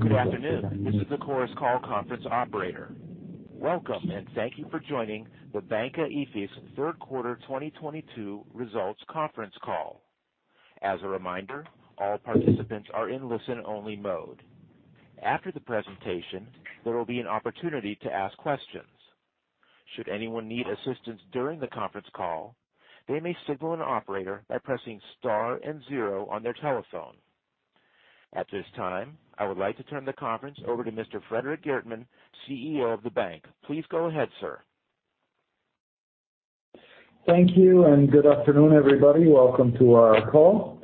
Good afternoon. This is the Chorus Call conference operator. Welcome, and thank you for joining the Banca Ifis third quarter 2022 results conference call. As a reminder, all participants are in listen-only mode. After the presentation, there will be an opportunity to ask questions. Should anyone need assistance during the conference call, they may signal an operator by pressing star and zero on their telephone. At this time, I would like to turn the conference over to Mr. Frederik Geertman, CEO of the bank. Please go ahead, sir. Thank you and good afternoon, everybody. Welcome to our call.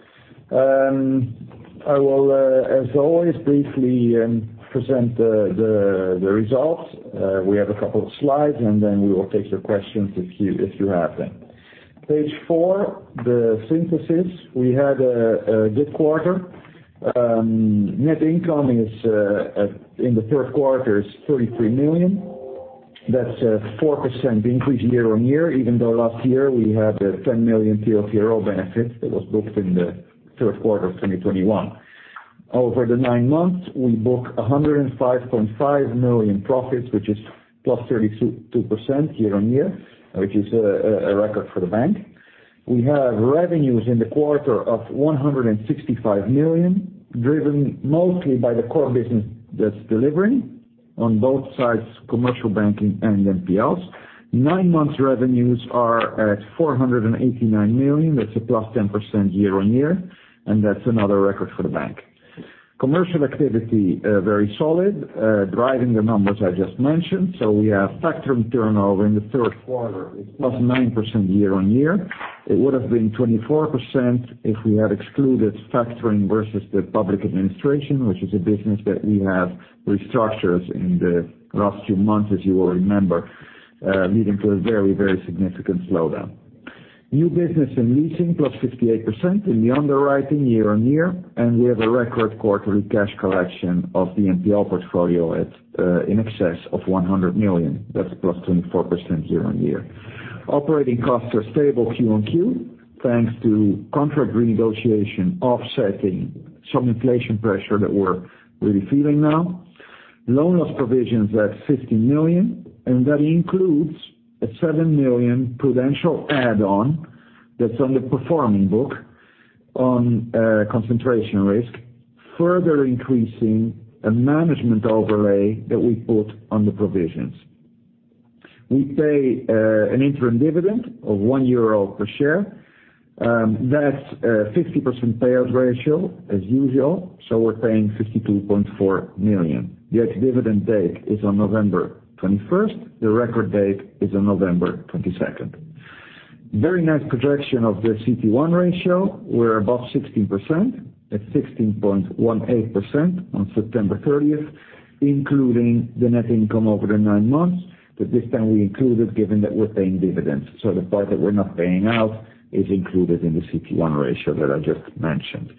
I will, as always, briefly present the results. We have a couple of slides, and then we will take your questions if you have them. Page four, the synthesis. We had a good quarter. Net income in the third quarter is 33 million. That's a 4% increase year-on-year, even though last year we had a 10 million TLTRO benefit that was booked in the third quarter of 2021. Over the nine months, we booked 105.5 million profits, which is +32% year-on-year, which is a record for the bank. We have revenues in the quarter of 165 million, driven mostly by the core business that's delivering on both sides, commercial banking and NPLs. Nine months revenues are at 489 million. That's a +10% year-on-year, and that's another record for the bank. Commercial activity, very solid, driving the numbers I just mentioned. We have factoring turnover in the third quarter. It's +9% year-on-year. It would've been 24% if we had excluded factoring versus the public administration, which is a business that we have restructured in the last few months, as you will remember, leading to a very, very significant slowdown. New business and leasing plus 58% in underwriting year-on-year, and we have a record quarterly cash collection of the NPL portfolio at, in excess of 100 million. That's +24% year-on-year. Operating costs are stable QoQ, thanks to contract renegotiation offsetting some inflation pressure that we're really feeling now. Loan loss provisions at 50 million, and that includes a 7 million prudential add-on that's on the performing book on concentration risk, further increasing a management overlay that we put on the provisions. We pay an interim dividend of 1 euro per share. That's a 50% payout ratio as usual, so we're paying 52.4 million. The ex-dividend date is on November 21st. The record date is on November 22nd. Very nice projection of the CET1 ratio. We're above 16% at 16.18% on September 30, including the net income over the nine months, but this time we included, given that we're paying dividends. The part that we're not paying out is included in the CET1 ratio that I just mentioned.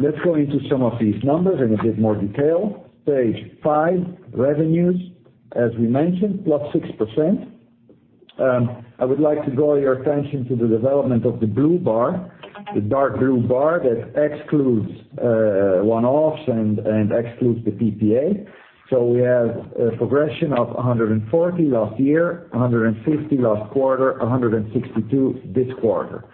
Let's go into some of these numbers in a bit more detail. Page five, revenues, as we mentioned, +6%. I would like to draw your attention to the development of the blue bar, the dark blue bar that excludes one-offs and excludes the PPA. We have a progression of 140 last year, 150 last quarter, 162 this quarter.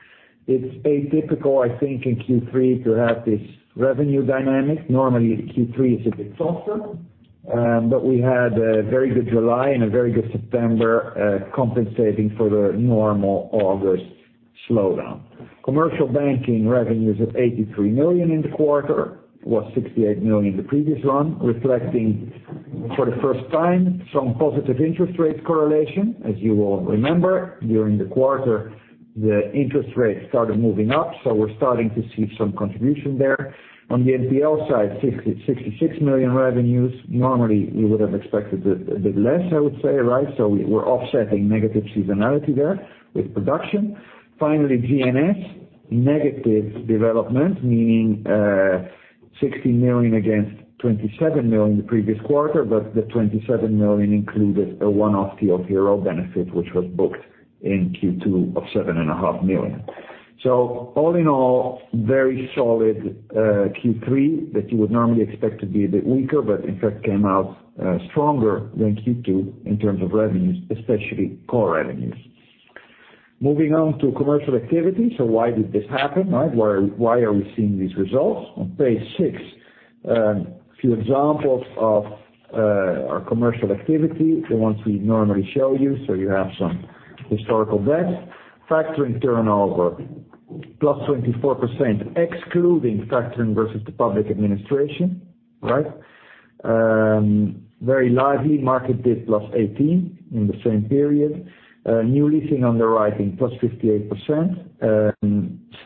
It's atypical, I think, in Q3 to have this revenue dynamic. Normally, Q3 is a bit softer, but we had a very good July and a very good September, compensating for the normal August slowdown. Commercial banking revenues of 83 million in the quarter, was 68 million in the previous one, reflecting for the first time some positive interest rate correlation. As you will remember, during the quarter, the interest rates started moving up, so we're starting to see some contribution there. On the NPL side, 66 million revenues. Normally, we would have expected a bit less, I would say, right? We're offsetting negative seasonality there with production. Finally, G&S, negative development, meaning 60 million against 27 million the previous quarter, but the 27 million included a one-off TLTRO euro benefit, which was booked in Q2 of 7.5 million. All in all, very solid Q3 that you would normally expect to be a bit weaker, but in fact came out stronger than Q2 in terms of revenues, especially core revenues. Moving on to commercial activity. Why did this happen, right? Why are we seeing these results? On page six, a few examples of our commercial activity, the ones we normally show you, so you have some historical data. Factoring turnover +24%, excluding factoring versus the public administration, right? Very lively market with +18% in the same period. New leasing underwriting +58%.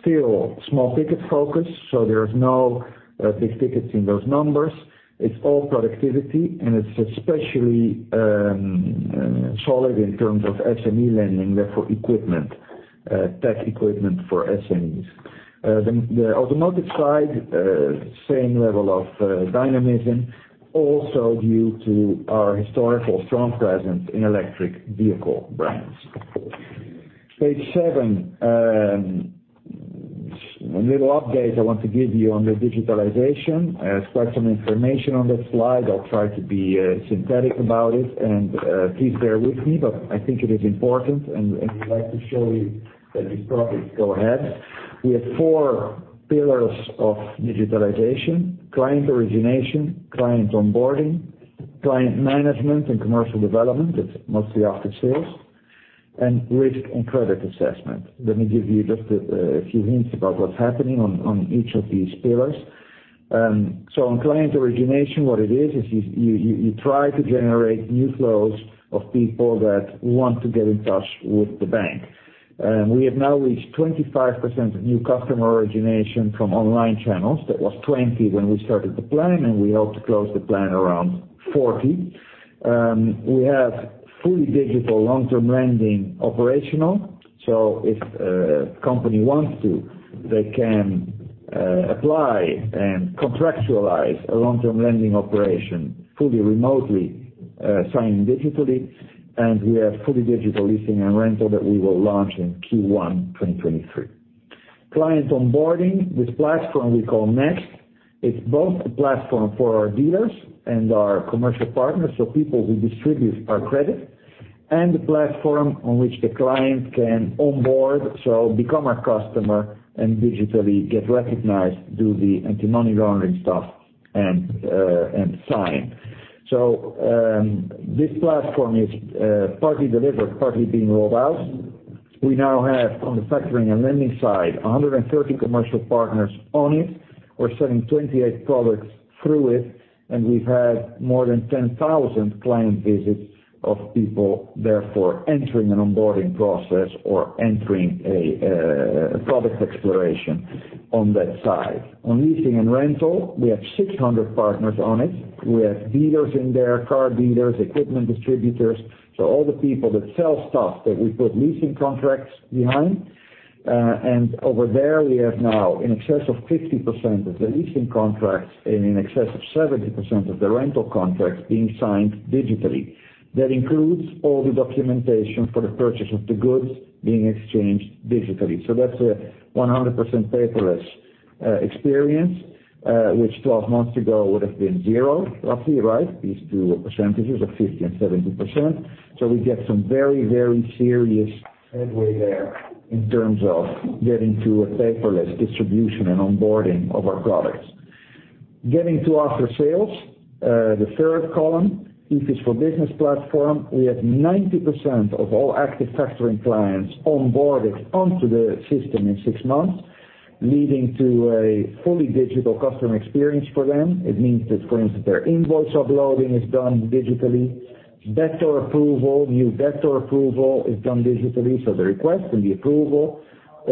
Still small ticket focus, so there's no big tickets in those numbers. It's all productivity, and it's especially solid in terms of SME lending, therefore equipment, tech equipment for SMEs. The automotive side, same level of dynamism, also due to our historical strong presence in electric vehicle brands. Page seven, a little update I want to give you on the digitalization. It's quite some information on this slide. I'll try to be synthetic about it and please bear with me, but I think it is important and we'd like to show you that we probably go ahead. We have four pillars of digitalization, client origination, client onboarding, client management, and commercial development. It's mostly after sales and risk and credit assessment. Let me give you just a few hints about what's happening on each of these pillars. So on client origination, what it is you try to generate new flows of people that want to get in touch with the bank. We have now reached 25% of new customer origination from online channels. That was 20 when we started the plan, and we hope to close the plan around 40. We have fully digital long-term lending operational. So if a company wants to, they can apply and contractualize a long-term lending operation fully remotely, signed digitally. We have fully digital leasing and rental that we will launch in Q1 2023. Client onboarding, this platform we call Next. It's both a platform for our dealers and our commercial partners, so people who distribute our credit, and the platform on which the client can onboard, so become our customer and digitally get recognized, do the anti-money laundering stuff and sign. This platform is partly delivered, partly being rolled out. We now have on the factoring and lending side, 130 commercial partners on it. We're selling 28 products through it, and we've had more than 10,000 client visits of people therefore entering an onboarding process or entering a product exploration on that side. On leasing and rental, we have 600 partners on it. We have dealers in there, car dealers, equipment distributors, so all the people that sell stuff that we put leasing contracts behind. Over there we have now in excess of 50% of the leasing contracts and in excess of 70% of the rental contracts being signed digitally. That includes all the documentation for the purchase of the goods being exchanged digitally. That's a 100% paperless experience, which 12 months ago would have been zero, roughly, right? These two percentages of 50% and 70%. We get some very, very serious headway there in terms of getting to a paperless distribution and onboarding of our products. Getting to after sales, the third column, Ifis for Business platform, we have 90% of all active factoring clients onboarded onto the system in six months, leading to a fully digital customer experience for them. It means that, for instance, their invoice uploading is done digitally. Debtor approval, new debtor approval is done digitally, so the request and the approval,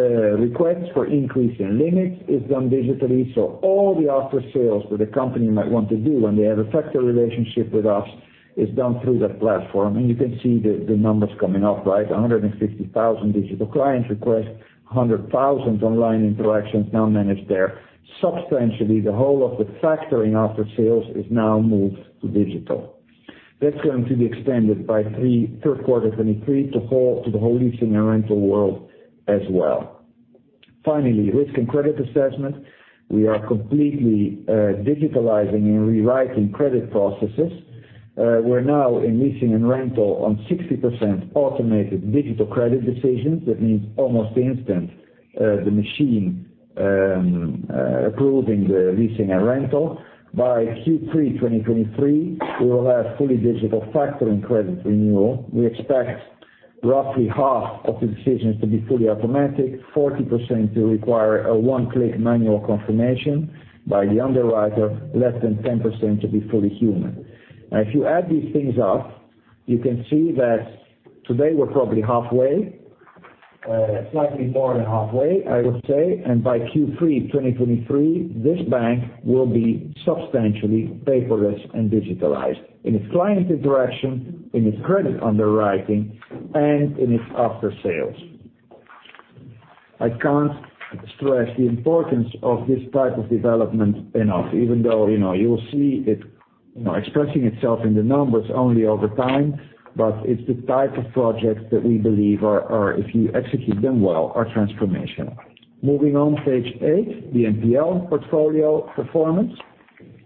request for increase in limits is done digitally. All the after sales that a company might want to do when they have a factor relationship with us is done through that platform. You can see the numbers coming up, right? 150,000 digital client requests, 100,000 online interactions now managed there. Substantially, the whole of the factoring after sales is now moved to digital. That's going to be extended by third quarter 2023 to the whole leasing and rental world as well. Finally, risk and credit assessment. We are completely digitalizing and rewriting credit processes. We're now in leasing and rental on 60% automated digital credit decisions. That means almost instant, the machine approving the leasing and rental. By Q3 2023, we will have fully digital factoring credit renewal. We expect roughly half of the decisions to be fully automatic, 40% to require a one-click manual confirmation by the underwriter, less than 10% to be fully human. Now, if you add these things up, you can see that today we're probably halfway, slightly more than halfway, I would say. By Q3 2023, this bank will be substantially paperless and digitalized in its client interaction, in its credit underwriting, and in its after sales. I can't stress the importance of this type of development enough, even though, you know, you will see it, you know, expressing itself in the numbers only over time, but it's the type of projects that we believe are, if you execute them well, are transformational. Moving on, page eight, the NPL portfolio performance.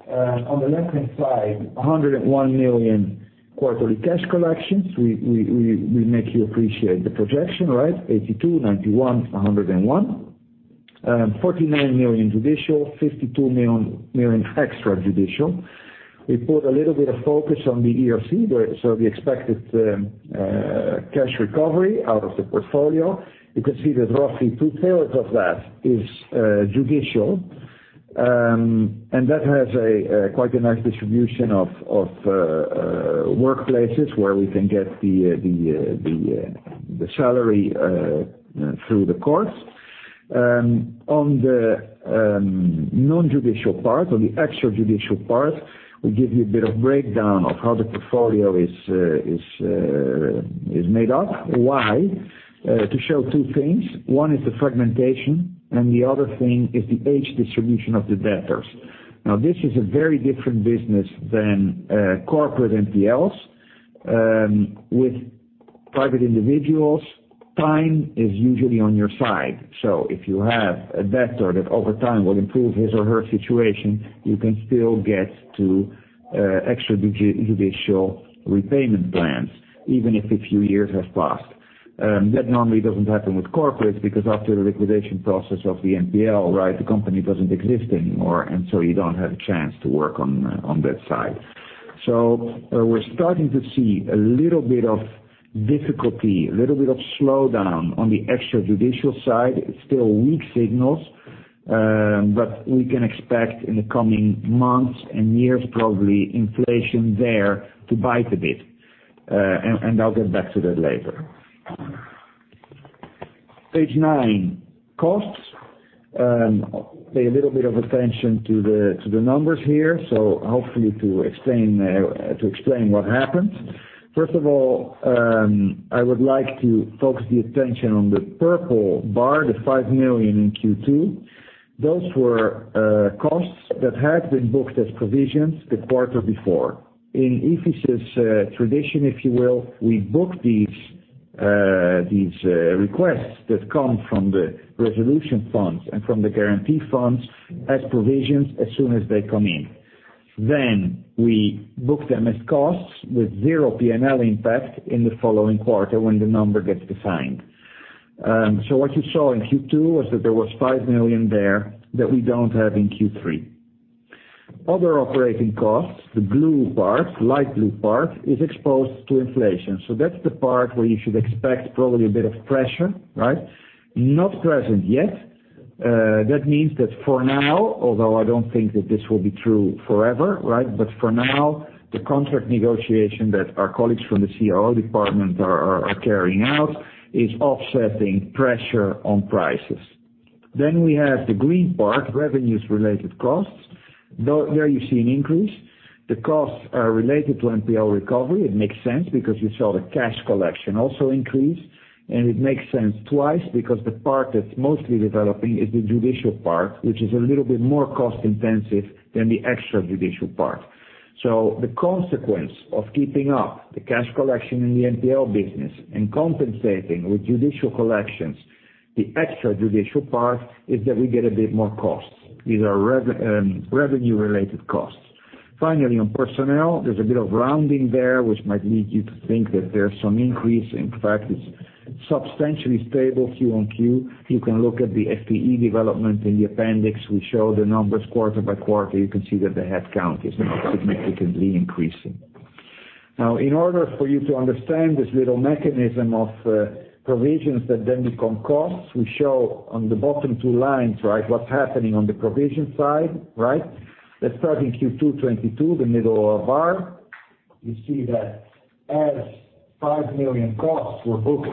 On the left-hand side, 101 million quarterly cash collections. We make you appreciate the projection, right? 82, 91, 101. 49 million judicial, 52 million extrajudicial. We put a little bit of focus on the ERC, where so the expected cash recovery out of the portfolio. You can see that roughly two-thirds of that is judicial. That has a quite a nice distribution of workplaces where we can get the salary through the courts. On the non-judicial part or the extrajudicial part, we give you a bit of breakdown of how the portfolio is made up. Why? To show two things. One is the fragmentation, and the other thing is the age distribution of the debtors. Now, this is a very different business than corporate NPLs. With private individuals, time is usually on your side. So if you have a debtor that over time will improve his or her situation, you can still get to extrajudicial repayment plans, even if a few years have passed. That normally doesn't happen with corporates because after the liquidation process of the NPL, right, the company doesn't exist anymore, and so you don't have a chance to work on that side. So we're starting to see a little bit of difficulty, a little bit of slowdown on the extrajudicial side. It's still weak signals, but we can expect in the coming months and years, probably inflation there to bite a bit. I'll get back to that later. Page nine, costs. Pay a little bit of attention to the numbers here, so hopefully explain what happened. First of all, I would like to focus the attention on the purple bar, the 5 million in Q2. Those were costs that had been booked as provisions the quarter before. In Ifis' tradition, if you will, we book these requests that come from the resolution funds and from the guarantee funds as provisions as soon as they come in. Then we book them as costs with zero P&L impact in the following quarter when the number gets defined. So what you saw in Q2 was that there was 5 million there that we don't have in Q3. Other operating costs, the blue part, light blue part, is exposed to inflation. That's the part where you should expect probably a bit of pressure, right? Not present yet. That means that for now, although I don't think that this will be true forever, right? For now, the contract negotiation that our colleagues from the CRO department are carrying out is offsetting pressure on prices. We have the green part, revenues-related costs. There you see an increase. The costs are related to NPL recovery. It makes sense because you saw the cash collection also increase. It makes sense twice because the part that's mostly developing is the judicial part, which is a little bit more cost-intensive than the extrajudicial part. The consequence of keeping up the cash collection in the NPL business and compensating with judicial collections, the extrajudicial part, is that we get a bit more costs. These are revenue-related costs. Finally, on personnel, there's a bit of rounding there, which might lead you to think that there's some increase. In fact, it's substantially stable QoQ. You can look at the FTE development in the appendix. We show the numbers quarter by quarter. You can see that the headcount is not significantly increasing. Now, in order for you to understand this little mechanism of provisions that then become costs, we show on the bottom two lines, right, what's happening on the provision side, right? Let's start in Q2 2022, the middle bar. You see that 5 million costs were booked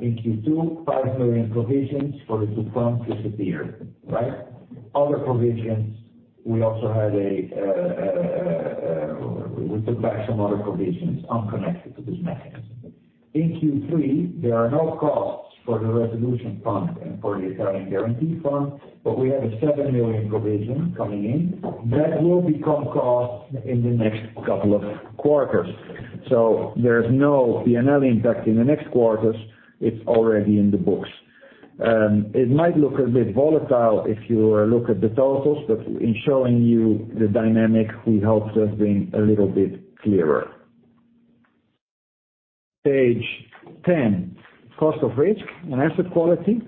in Q2, 5 million provisions for the two funds disappeared, right? Other provisions, we also took back some other provisions unconnected to this mechanism. In Q3, there are no costs for the resolution fund and for the Italian Guarantee Fund, but we have a 7 million provision coming in that will become cost in the next couple of quarters. There's no P&L impact in the next quarters. It's already in the books. It might look a bit volatile if you look at the totals, but in showing you the dynamic, we hope they're being a little bit clearer. Page 10, cost of risk and asset quality.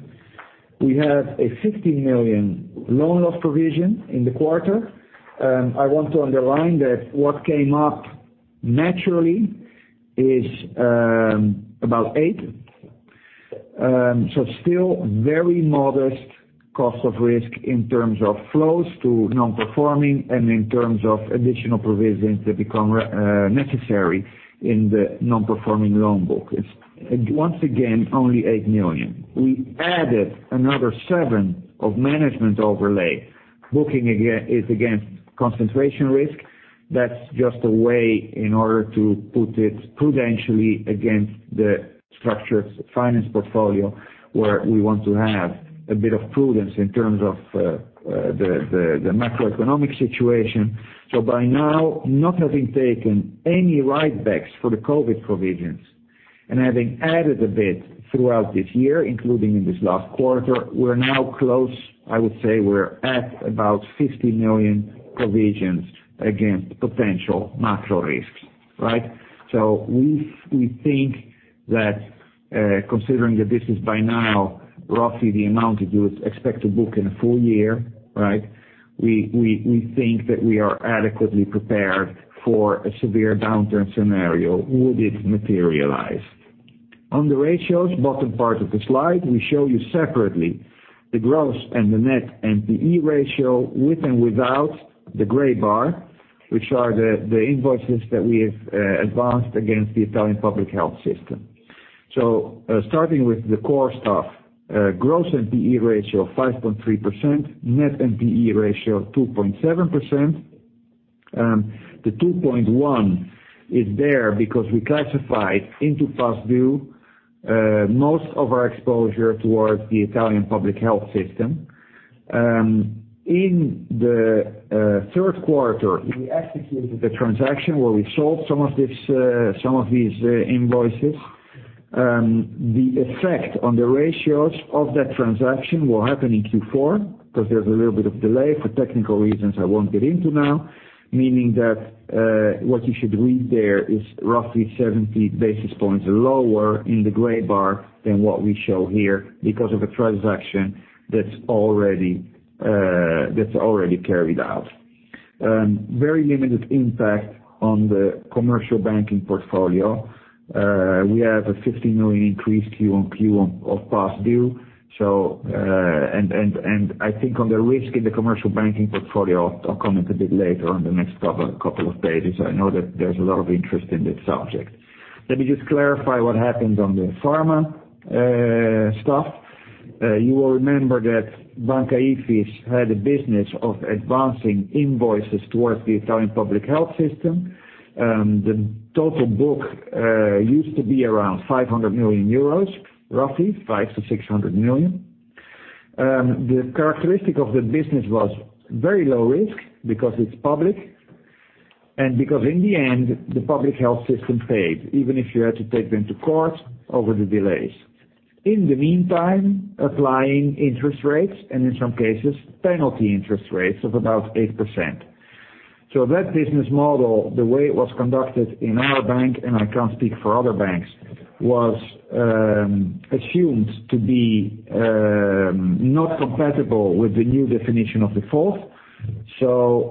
We have a 50 million loan loss provision in the quarter. I want to underline that what came up naturally is about eight. Still very modest cost of risk in terms of flows to non-performing and in terms of additional provisions that become necessary in the non-performing loan book. It's once again only 8 million. We added another seven million of management overlay. Booking is against concentration risk. That's just a way in order to put it prudentially against the structured finance portfolio, where we want to have a bit of prudence in terms of the macroeconomic situation. By now, not having taken any write-backs for the COVID provisions and having added a bit throughout this year, including in this last quarter, we're now close. I would say we're at about 50 million provisions against potential macro risks, right? We think that considering that this is by now roughly the amount you would expect to book in a full year, right, we think that we are adequately prepared for a severe downturn scenario, would it materialize. On the ratios, bottom part of the slide, we show you separately the gross and the net NPE ratio with and without the gray bar, which are the invoices that we have advanced against the Italian public health system. Starting with the core stuff, gross NPE ratio of 5.3%, net NPE ratio of 2.7%. The 2.1 is there because we classified into past due most of our exposure towards the Italian public health system. In the third quarter, we executed the transaction where we sold some of these invoices. The effect on the ratios of that transaction will happen in Q4, because there's a little bit of delay for technical reasons I won't get into now. Meaning that, what you should read there is roughly 70 basis points lower in the gray bar than what we show here because of a transaction that's already carried out. Very limited impact on the commercial banking portfolio. We have a 50 million increase quarter-over-quarter of past due. I think on the risk in the commercial banking portfolio, I'll comment a bit later on the next couple of pages. I know that there's a lot of interest in this subject. Let me just clarify what happened on the pharma stuff. You will remember that Banca Ifis had a business of advancing invoices towards the Italian public health system. The total book used to be around 500 million euros, roughly 500 million-600 million. The characteristic of the business was very low risk because it's public and because in the end, the public health system paid, even if you had to take them to court over the delays. In the meantime, applying interest rates, and in some cases, penalty interest rates of about 8%. That business model, the way it was conducted in our bank, and I can't speak for other banks, was assumed to be not compatible with the new definition of default.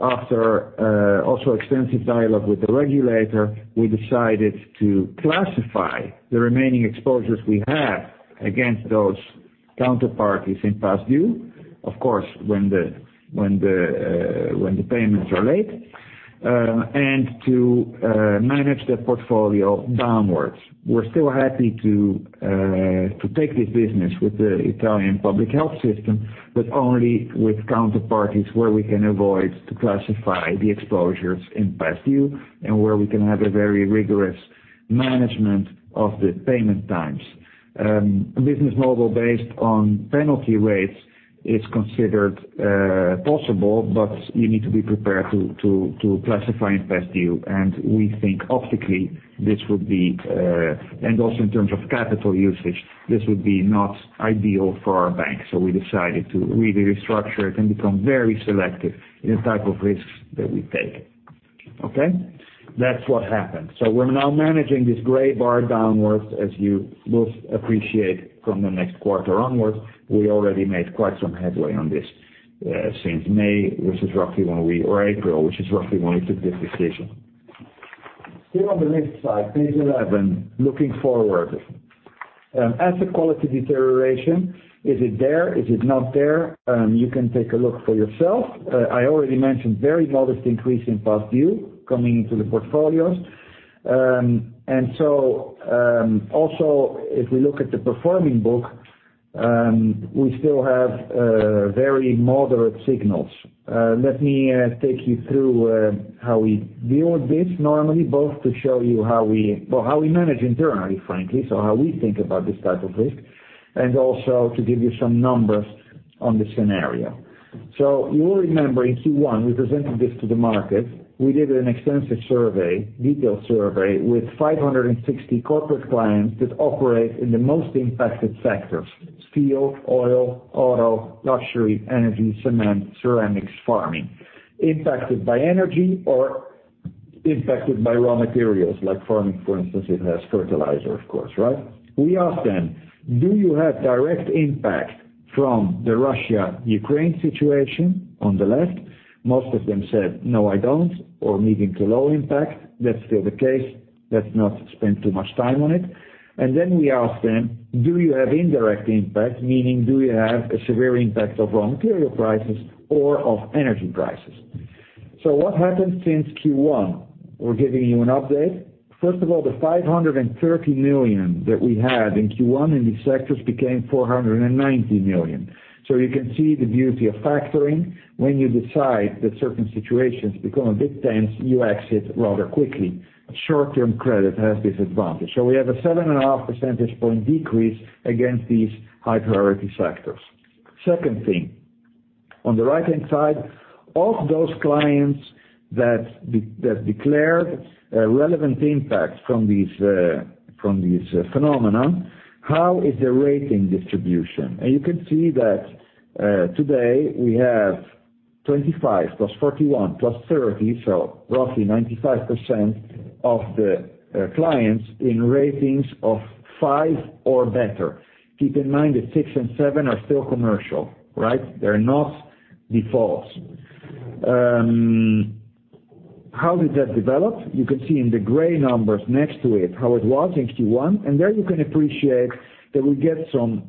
After also extensive dialogue with the regulator, we decided to classify the remaining exposures we have against those counterparties in past due. Of course, when the payments are late, and to manage that portfolio downwards. We're still happy to take this business with the Italian public health system, but only with counterparties where we can avoid to classify the exposures in past due and where we can have a very rigorous management of the payment times. Business model based on penalty rates is considered possible, but you need to be prepared to classify in past due. We think optically this would be, and also in terms of capital usage, this would be not ideal for our bank. We decided to really restructure it and become very selective in the type of risks that we take. Okay? That's what happened. We're now managing this gray bar downwards, as you will appreciate from the next quarter onwards. We already made quite some headway on this since May or April, which is roughly when we took this decision. Still on the left side, page eleven, looking forward. Asset quality deterioration, is it there? Is it not there? You can take a look for yourself. I already mentioned very modest increase in past due coming into the portfolios. Also, if we look at the performing book, we still have very moderate signals. Let me take you through how we view this normally, both to show you how we. Well, how we manage internally, frankly, so how we think about this type of risk, and also to give you some numbers on the scenario. You will remember in Q1, we presented this to the market. We did an extensive survey, detailed survey, with 560 corporate clients that operate in the most impacted sectors: steel, oil, auto, luxury, energy, cement, ceramics, farming. Impacted by energy or impacted by raw materials, like farming, for instance, it has fertilizer, of course, right? We asked them, "Do you have direct impact from the Russia-Ukraine situation?" On the left, most of them said, "No, I don't," or medium to low impact. That's still the case. Let's not spend too much time on it. We asked them, "Do you have indirect impact?" Meaning, do you have a severe impact of raw material prices or of energy prices? What happened since Q1? We're giving you an update. First of all, the 500 million that we had in Q1 in these sectors became 490 million. You can see the beauty of factoring. When you decide that certain situations become a bit tense, you exit rather quickly. Short-term credit has this advantage. We have a 7.5 percentage point decrease against these high-priority sectors. Second thing, on the right-hand side, of those clients that declared a relevant impact from these phenomena, how is their rating distribution? You can see that today we have 25 + 41 + 30, so roughly 95% of the clients in ratings of five or better. Keep in mind that six and seven are still commercial, right? They're not defaults. How did that develop? You can see in the gray numbers next to it, how it was in Q1, and there you can appreciate that we get some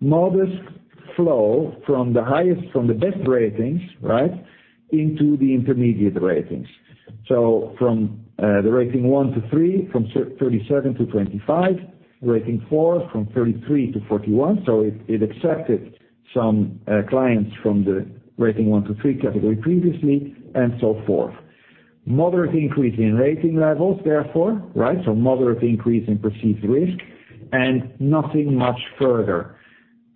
modest flow from the highest, from the best ratings, right, into the intermediate ratings. From the rating one to three, from 37% to 25%. Rating four, from 33% to 41%. It accepted some clients from the rating one to three category previously, and so forth. Moderate increase in rating levels, therefore, right? Moderate increase in perceived risk and nothing much further.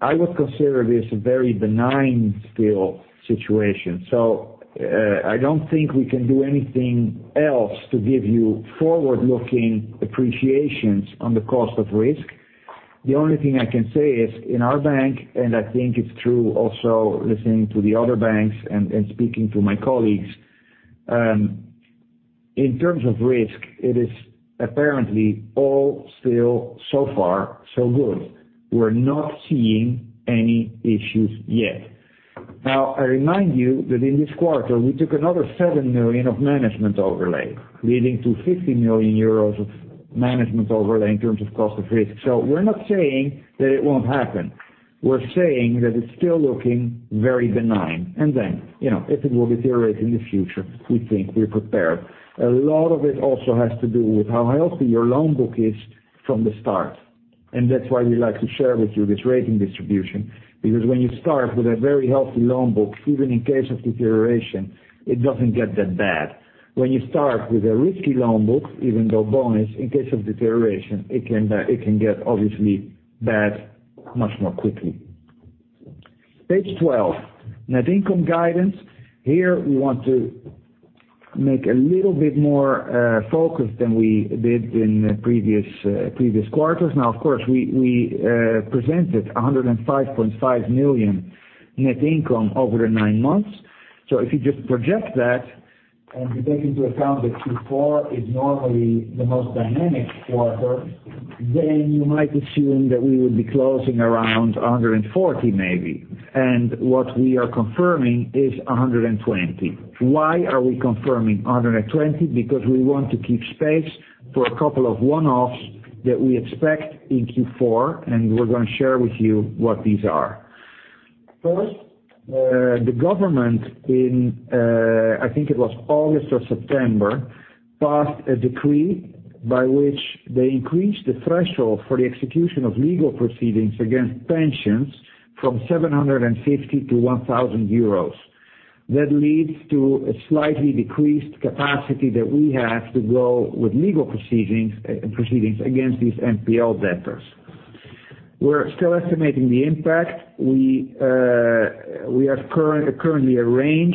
I would consider this a very benign still situation. I don't think we can do anything else to give you forward-looking appreciations on the cost of risk. The only thing I can say is in our bank, and I think it's true also listening to the other banks and speaking to my colleagues, in terms of risk, it is apparently all still so far so good. We're not seeing any issues yet. Now, I remind you that in this quarter, we took another 7 million of management overlay, leading to 50 million euros of management overlay in terms of cost of risk. We're not saying that it won't happen. We're saying that it's still looking very benign. You know, if it will deteriorate in the future, we think we're prepared. A lot of it also has to do with how healthy your loan book is from the start. That's why we like to share with you this rating distribution. Because when you start with a very healthy loan book, even in case of deterioration, it doesn't get that bad. When you start with a risky loan book, even though bonus, in case of deterioration, it can get obviously bad much more quickly. Page 12. Net income guidance. Here we want to make a little bit more focus than we did in previous quarters. Now, of course, we presented 105.5 million net income over the nine months. So if you just project that, and you take into account that Q4 is normally the most dynamic quarter, then you might assume that we would be closing around 140 million maybe. What we are confirming is 120 million. Why are we confirming 120 million? Because we want to keep space for a couple of one-offs that we expect in Q4, and we're gonna share with you what these are. First, the government in, I think it was August or September, passed a decree by which they increased the threshold for the execution of legal proceedings against pensions from 750 to 1,000 euros. That leads to a slightly decreased capacity that we have to go with legal proceedings against these NPL debtors. We're still estimating the impact. We currently have a range.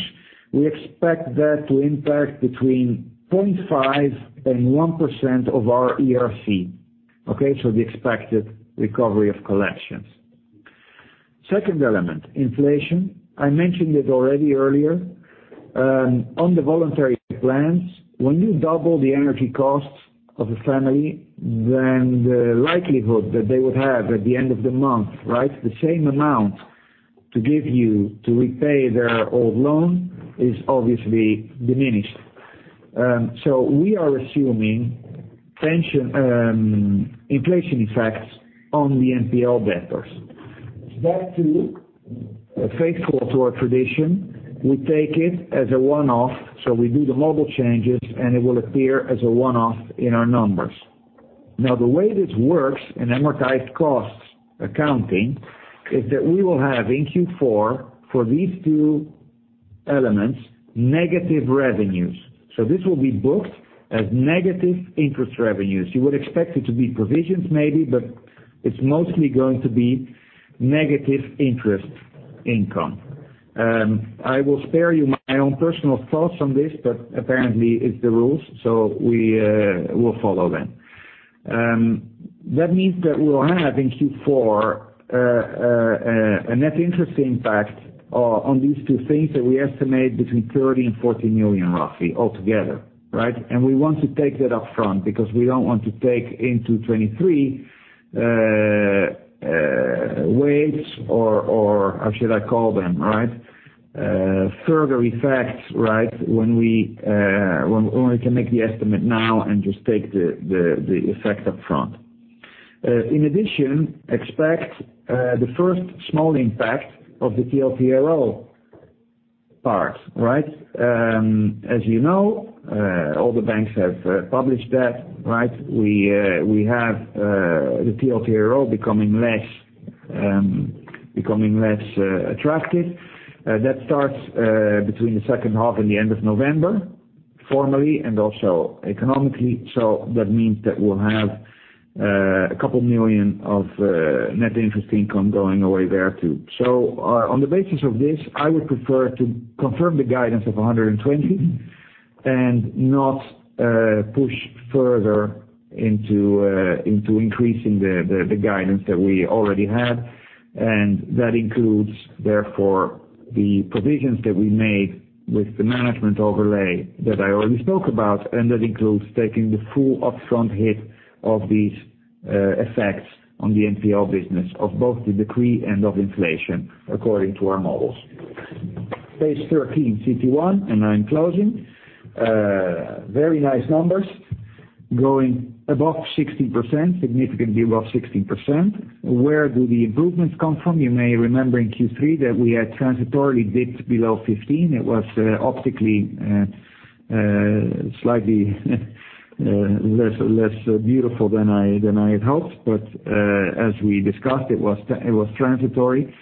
We expect that to impact between 0.5% and 1% of our ERC, okay? So the expected recovery of collections. Second element, inflation. I mentioned it already earlier. On the voluntary plans, when you double the energy costs of a family, then the likelihood that they would have at the end of the month, right, the same amount to give you to repay their old loan is obviously diminished. We are assuming pension, inflation effects on the NPL debtors. That too, faithful to our tradition, we take it as a one-off, so we do the model changes, and it will appear as a one-off in our numbers. Now, the way this works in amortized costs accounting is that we will have in Q4, for these two elements, negative revenues. This will be booked as negative interest revenues. You would expect it to be provisions maybe, but it's mostly going to be negative interest income. I will spare you my own personal thoughts on this, but apparently it's the rules, so we will follow them. That means that we'll have in Q4 a net interest impact on these two things that we estimate between 30 million and 40 million roughly altogether, right? We want to take that up front because we don't want to take into 2023 way or how should I call them, right? Further effects, right? When we can make the estimate now and just take the effect up front. In addition, expect the first small impact of the TLTRO part, right? As you know, all the banks have published that, right? We have the TLTRO becoming less attractive. That starts between the second half and the end of November, formally and also economically. That means that we'll have a couple million of net interest income going away there too. On the basis of this, I would prefer to confirm the guidance of 120 and not push further into increasing the guidance that we already have. That includes, therefore, the provisions that we made with the management overlay that I already spoke about, and that includes taking the full upfront hit of these effects on the NPL business of both the decree and of inflation, according to our models. Page 13, CET1, I'm closing. Very nice numbers, going above 60%, significantly above 60%. Where do the improvements come from? You may remember in Q3 that we had transitorily dipped below 15%. It was optically slightly less beautiful than I had hoped. As we discussed, it was transitory,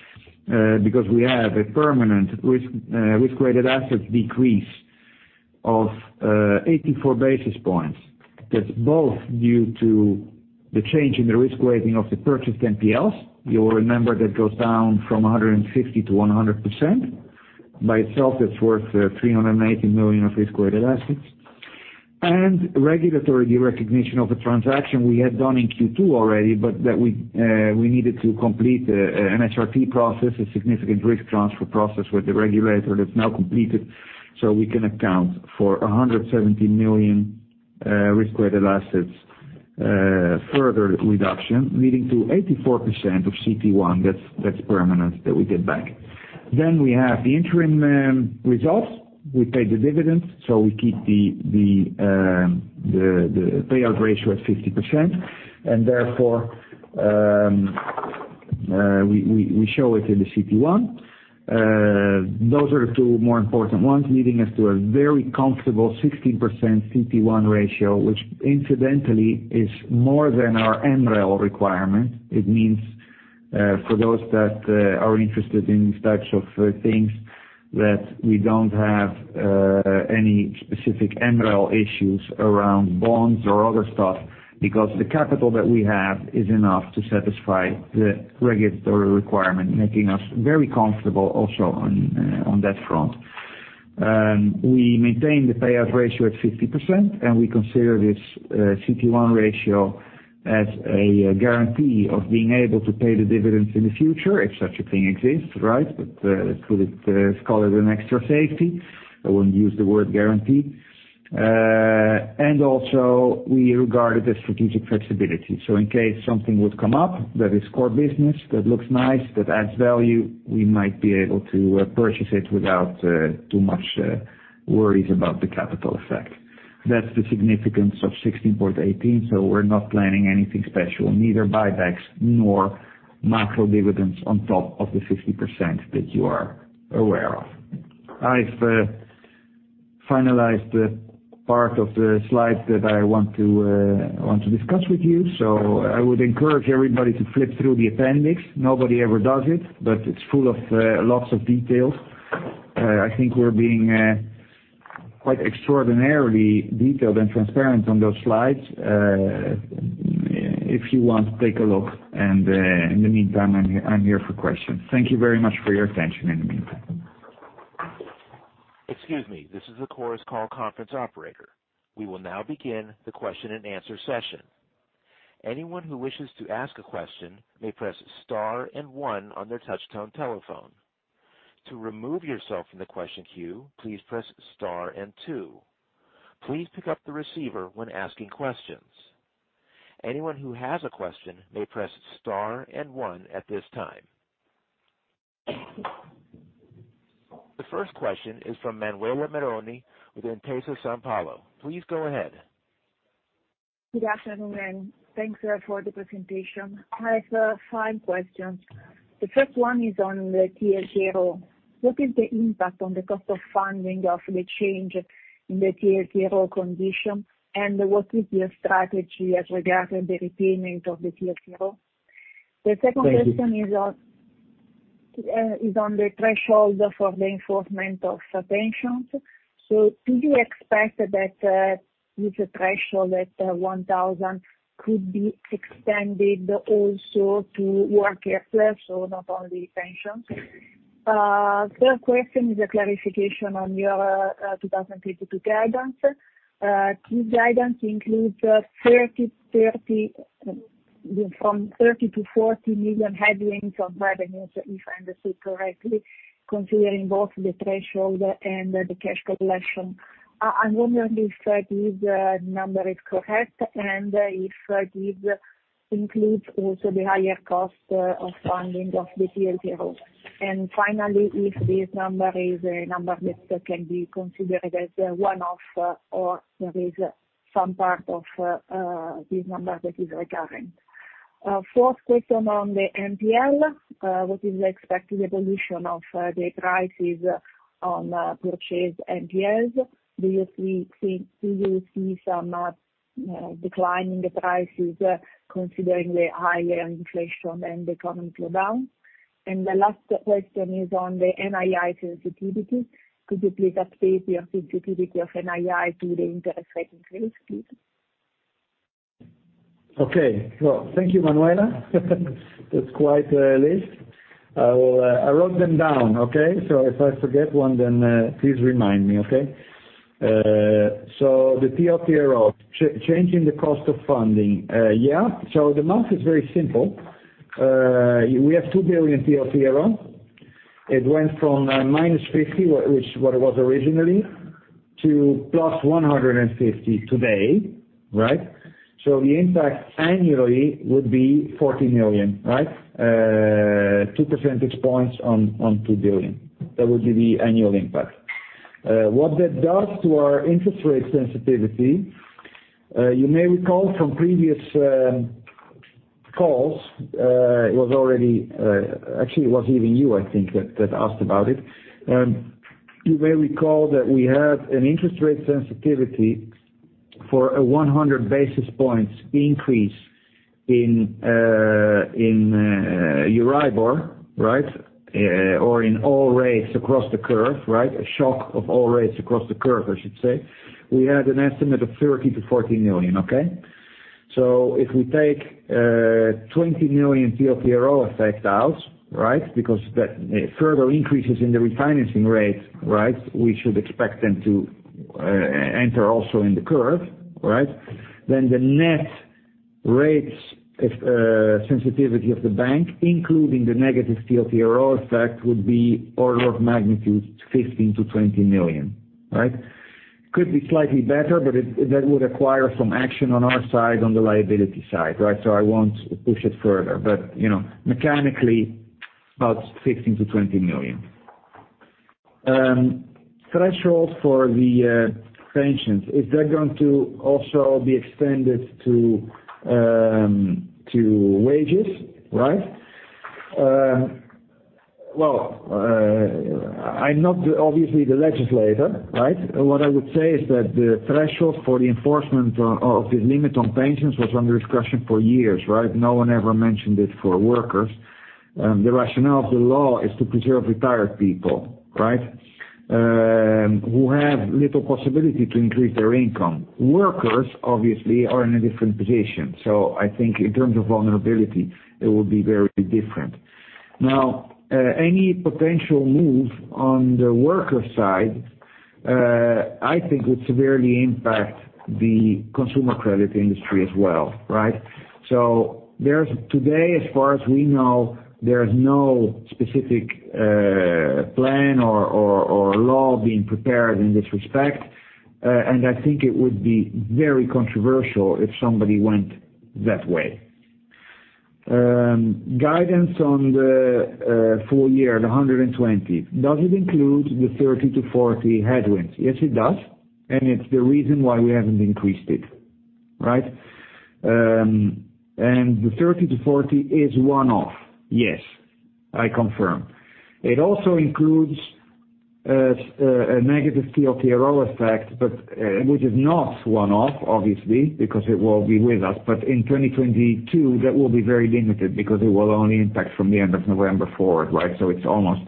because we have a permanent risk-weighted assets decrease of 84 basis points. That's both due to the change in the risk weighting of the purchased NPLs. You'll remember that goes down from 150 to 100%. By itself, it's worth 380 million of risk-weighted assets. Regulatory recognition of a transaction we had done in Q2 already, but that we needed to complete an SRT process, a significant risk transfer process with the regulator that's now completed, so we can account for 170 million risk-weighted assets further reduction, leading to 84% CET1. That's permanent that we did back. We have the interim results. We paid the dividends, so we keep the payout ratio at 50% and therefore we show it in the CET1. Those are the two more important ones, leading us to a very comfortable 16% CET1 ratio, which incidentally is more than our MREL requirement. It means for those that are interested in these types of things that we don't have any specific MREL issues around bonds or other stuff, because the capital that we have is enough to satisfy the regulatory requirement, making us very comfortable also on that front. We maintain the payout ratio at 50%, and we consider this CET1 ratio as a guarantee of being able to pay the dividends in the future, if such a thing exists, right? Could call it an extra safety. I wouldn't use the word guarantee. We regard it as strategic flexibility. In case something would come up that is core business, that looks nice, that adds value, we might be able to purchase it without too much worries about the capital effect. That's the significance of 16.18. We're not planning anything special, neither buybacks nor macro dividends on top of the 50% that you are aware of. I've finalized the part of the slide that I want to discuss with you. I would encourage everybody to flip through the appendix. Nobody ever does it, but it's full of lots of details. I think we're being quite extraordinarily detailed and transparent on those slides. If you want, take a look, and in the meantime, I'm here for questions. Thank you very much for your attention in the meantime. Excuse me. This is the Chorus Call conference operator. We will now begin the question-and-answer session. Anyone who wishes to ask a question may press star and one on their touch tone telephone. To remove yourself from the question queue, please press star and two. Please pick up the receiver when asking questions. Anyone who has a question may press star and one at this time. The first question is from Manuela Meroni with Intesa Sanpaolo. Please go ahead. Good afternoon. Thanks for the presentation. I have five questions. The first one is on the TLTRO. What is the impact on the cost of funding of the change in the TLTRO condition? What is your strategy as regarding the repayment of the TLTRO? Thank you. The second question is on the threshold for the enforcement of pensions. Do you expect that with the threshold at 1,000 could be extended also to workers there, so not only pensions? Third question is a clarification on your 2022 guidance. Key guidance includes from 30 million to 40 million headwinds on revenues, if I understood correctly, considering both the threshold and the cash collection. I wonder if this number is correct and if this includes also the higher cost of funding of the TLTRO. Finally, if this number is a number that can be considered as one-off or there is some part of this number that is recurring. Fourth question on the NPL. What is the expected evolution of the prices on purchased NPLs? Do you see some decline in the prices, considering the higher inflation and the coming slowdown? The last question is on the NII sensitivity. Could you please update your sensitivity of NII to the interest rate increase, please? Okay. Well, thank you, Manuela. That's quite a list. I will, I wrote them down, okay? If I forget one, then, please remind me, okay? The TLTRO, changing the cost of funding. Yeah. The math is very simple. We have 2 billion TLTRO. It went from -50, which is what it was originally, to plus 150 today, right? The impact annually would be 40 million, right? Two percentage points on 2 billion. That would be the annual impact. What that does to our interest rate sensitivity, you may recall from previous calls, it was already, actually it was even you, I think that asked about it. You may recall that we had an interest rate sensitivity for a 100 basis points increase in Euribor, right? In all rates across the curve, right? A shock of all rates across the curve, I should say. We had an estimate of 30 million-40 million, okay? If we take 20 million TLTRO effect out, right? Because that further increases in the refinancing rate, right? We should expect them to enter also in the curve, right? Then the net interest sensitivity of the bank, including the negative TLTRO effect, would be order of magnitude 15 million-20 million, right? Could be slightly better, but that would require some action on our side, on the liability side, right? I won't push it further. You know, mechanically, about 15 million-20 million. Thresholds for the pensions, is that going to also be extended to wages, right? Well, I'm not obviously the legislator, right? What I would say is that the threshold for the enforcement of the limit on pensions was under discussion for years, right? No one ever mentioned it for workers. The rationale of the law is to preserve retired people, right? Who have little possibility to increase their income. Workers, obviously, are in a different position. I think in terms of vulnerability, it will be very different. Now, any potential move on the worker side, I think would severely impact the consumer credit industry as well, right? Today, as far as we know, there's no specific plan or law being prepared in this respect. I think it would be very controversial if somebody went that way. Guidance on the full year, 120. Does it include the 30- 40 headwinds? Yes, it does, and it's the reason why we haven't increased it, right? The 30 million-40 million is one-off. Yes, I confirm. It also includes a negative TLTRO effect, but which is not one-off, obviously, because it will be with us. In 2022, that will be very limited because it will only impact from the end of November forward, right? It's almost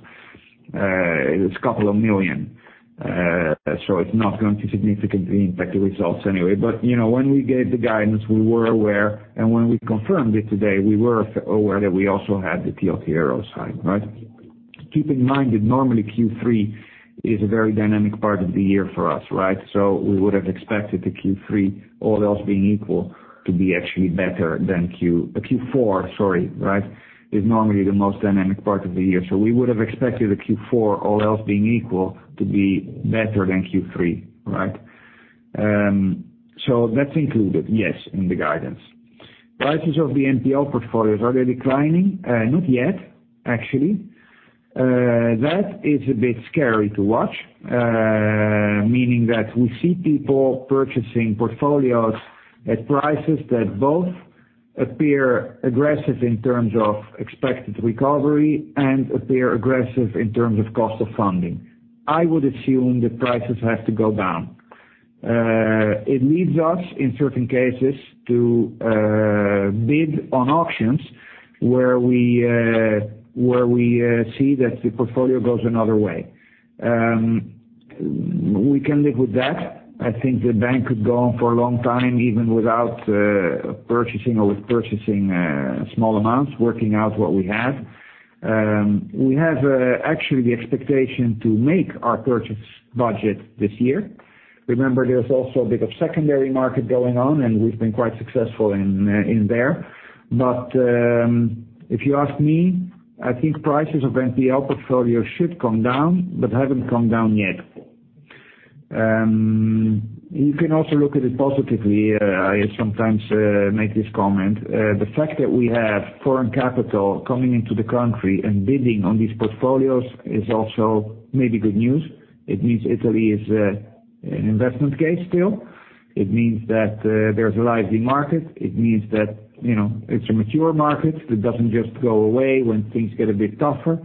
EUR a couple of million. It's not going to significantly impact the results anyway. You know, when we gave the guidance, we were aware, and when we confirmed it today, we were aware that we also had the TLTRO side, right? Keep in mind that normally Q3 is a very dynamic part of the year for us, right? We would have expected the Q3, all else being equal, to be actually better than Q4, sorry. Right, Q4 is normally the most dynamic part of the year. We would have expected the Q4, all else being equal, to be better than Q3, right? That's included, yes, in the guidance. Prices of the NPL portfolios, are they declining? Not yet, actually. That is a bit scary to watch, meaning that we see people purchasing portfolios at prices that both appear aggressive in terms of expected recovery and appear aggressive in terms of cost of funding. I would assume the prices have to go down. It leads us, in certain cases, to bid on auctions where we see that the portfolio goes another way. We can live with that. I think the bank could go on for a long time, even without purchasing or with purchasing small amounts, working out what we have. We have actually the expectation to make our purchase budget this year. Remember, there's also a bit of secondary market going on, and we've been quite successful in there. If you ask me, I think prices of NPL portfolio should come down, but haven't come down yet. You can also look at it positively. I sometimes make this comment. The fact that we have foreign capital coming into the country and bidding on these portfolios is also maybe good news. It means Italy is an investment case still. It means that there's a lively market. It means that, you know, it's a mature market that doesn't just go away when things get a bit tougher.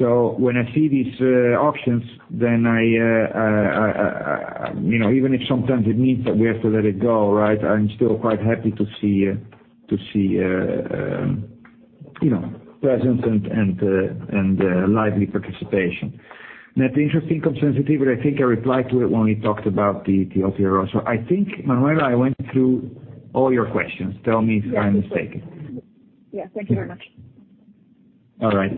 When I see these auctions, then I you know, even if sometimes it means that we have to let it go, right? I'm still quite happy to see you know, presence and lively participation. Net interest income sensitivity, but I think I replied to it when we talked about the TLTRO. I think, Manuela, I went through all your questions. Tell me if I'm mistaken. Yeah. Thank you very much. All right.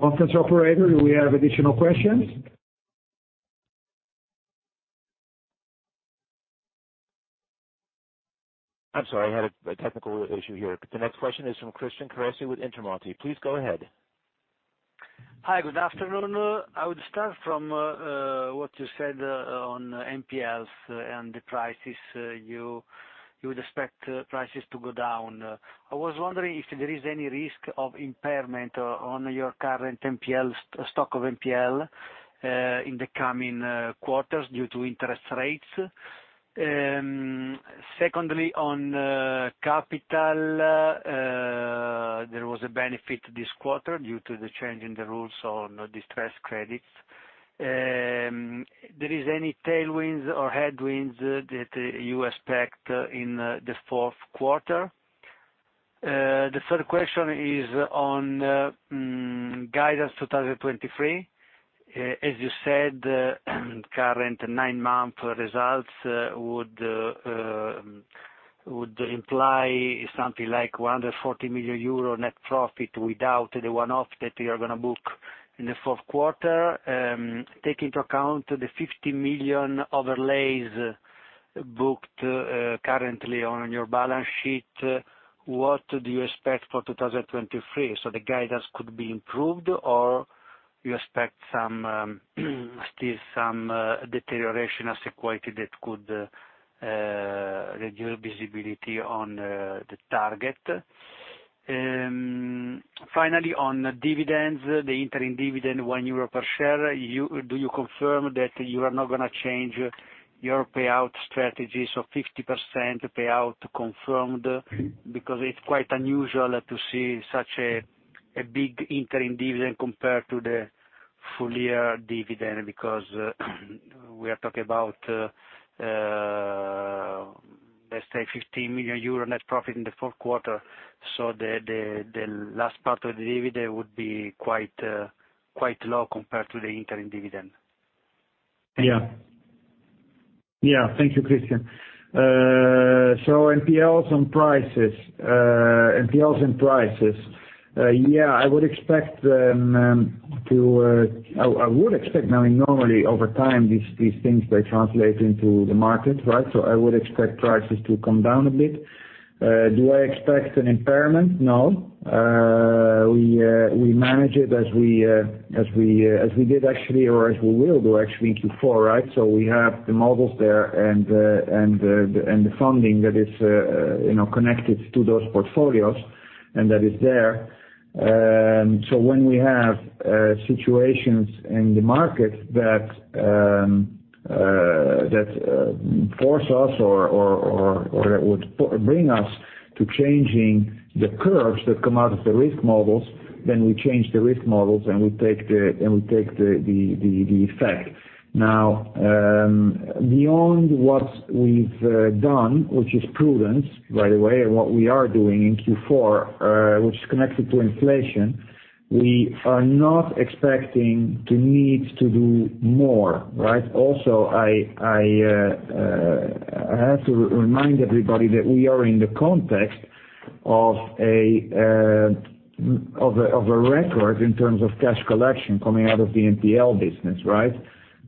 Conference operator, do we have additional questions? I'm sorry. I had a technical issue here. The next question is from Christian Carrese with Intermonte. Please go ahead. Hi, good afternoon. I would start from what you said on NPLs and the prices. You would expect prices to go down. I was wondering if there is any risk of impairment on your current NPL stock in the coming quarters due to interest rates. Secondly, on capital, there was a benefit this quarter due to the change in the rules on distressed credits. Is there any tailwinds or headwinds that you expect in the fourth quarter? The third question is on guidance 2023. As you said, current nine-month results would imply something like 140 million euro net profit without the one-off that you are going to book in the fourth quarter. Take into account the 50 million overlays booked currently on your balance sheet. What do you expect for 2023? The guidance could be improved or you expect some still some deterioration in asset quality that could reduce visibility on the target. Finally, on dividends, the interim dividend, 1 euro per share. Do you confirm that you are not going to change your payout strategy, so 50% payout confirmed? Because it's quite unusual to see such a big interim dividend compared to the full year dividend, because we are talking about, let's say 50 million euro net profit in the fourth quarter. The last part of the dividend would be quite low compared to the interim dividend. Yeah. Thank you, Christian. NPLs and prices. Yeah, I would expect now, normally over time, these things, they translate into the market, right? I would expect prices to come down a bit. Do I expect an impairment? No. We manage it as we did actually or as we will do actually in Q4, right? We have the models there and the funding that is, you know, connected to those portfolios and that is there. When we have situations in the market that force us or that would bring us to changing the curves that come out of the risk models, then we change the risk models and we take the effect. Now, beyond what we've done, which is prudence, by the way, and what we are doing in Q4, which is connected to inflation, we are not expecting to need to do more, right. Also, I have to remind everybody that we are in the context of a record in terms of cash collection coming out of the NPL business, right,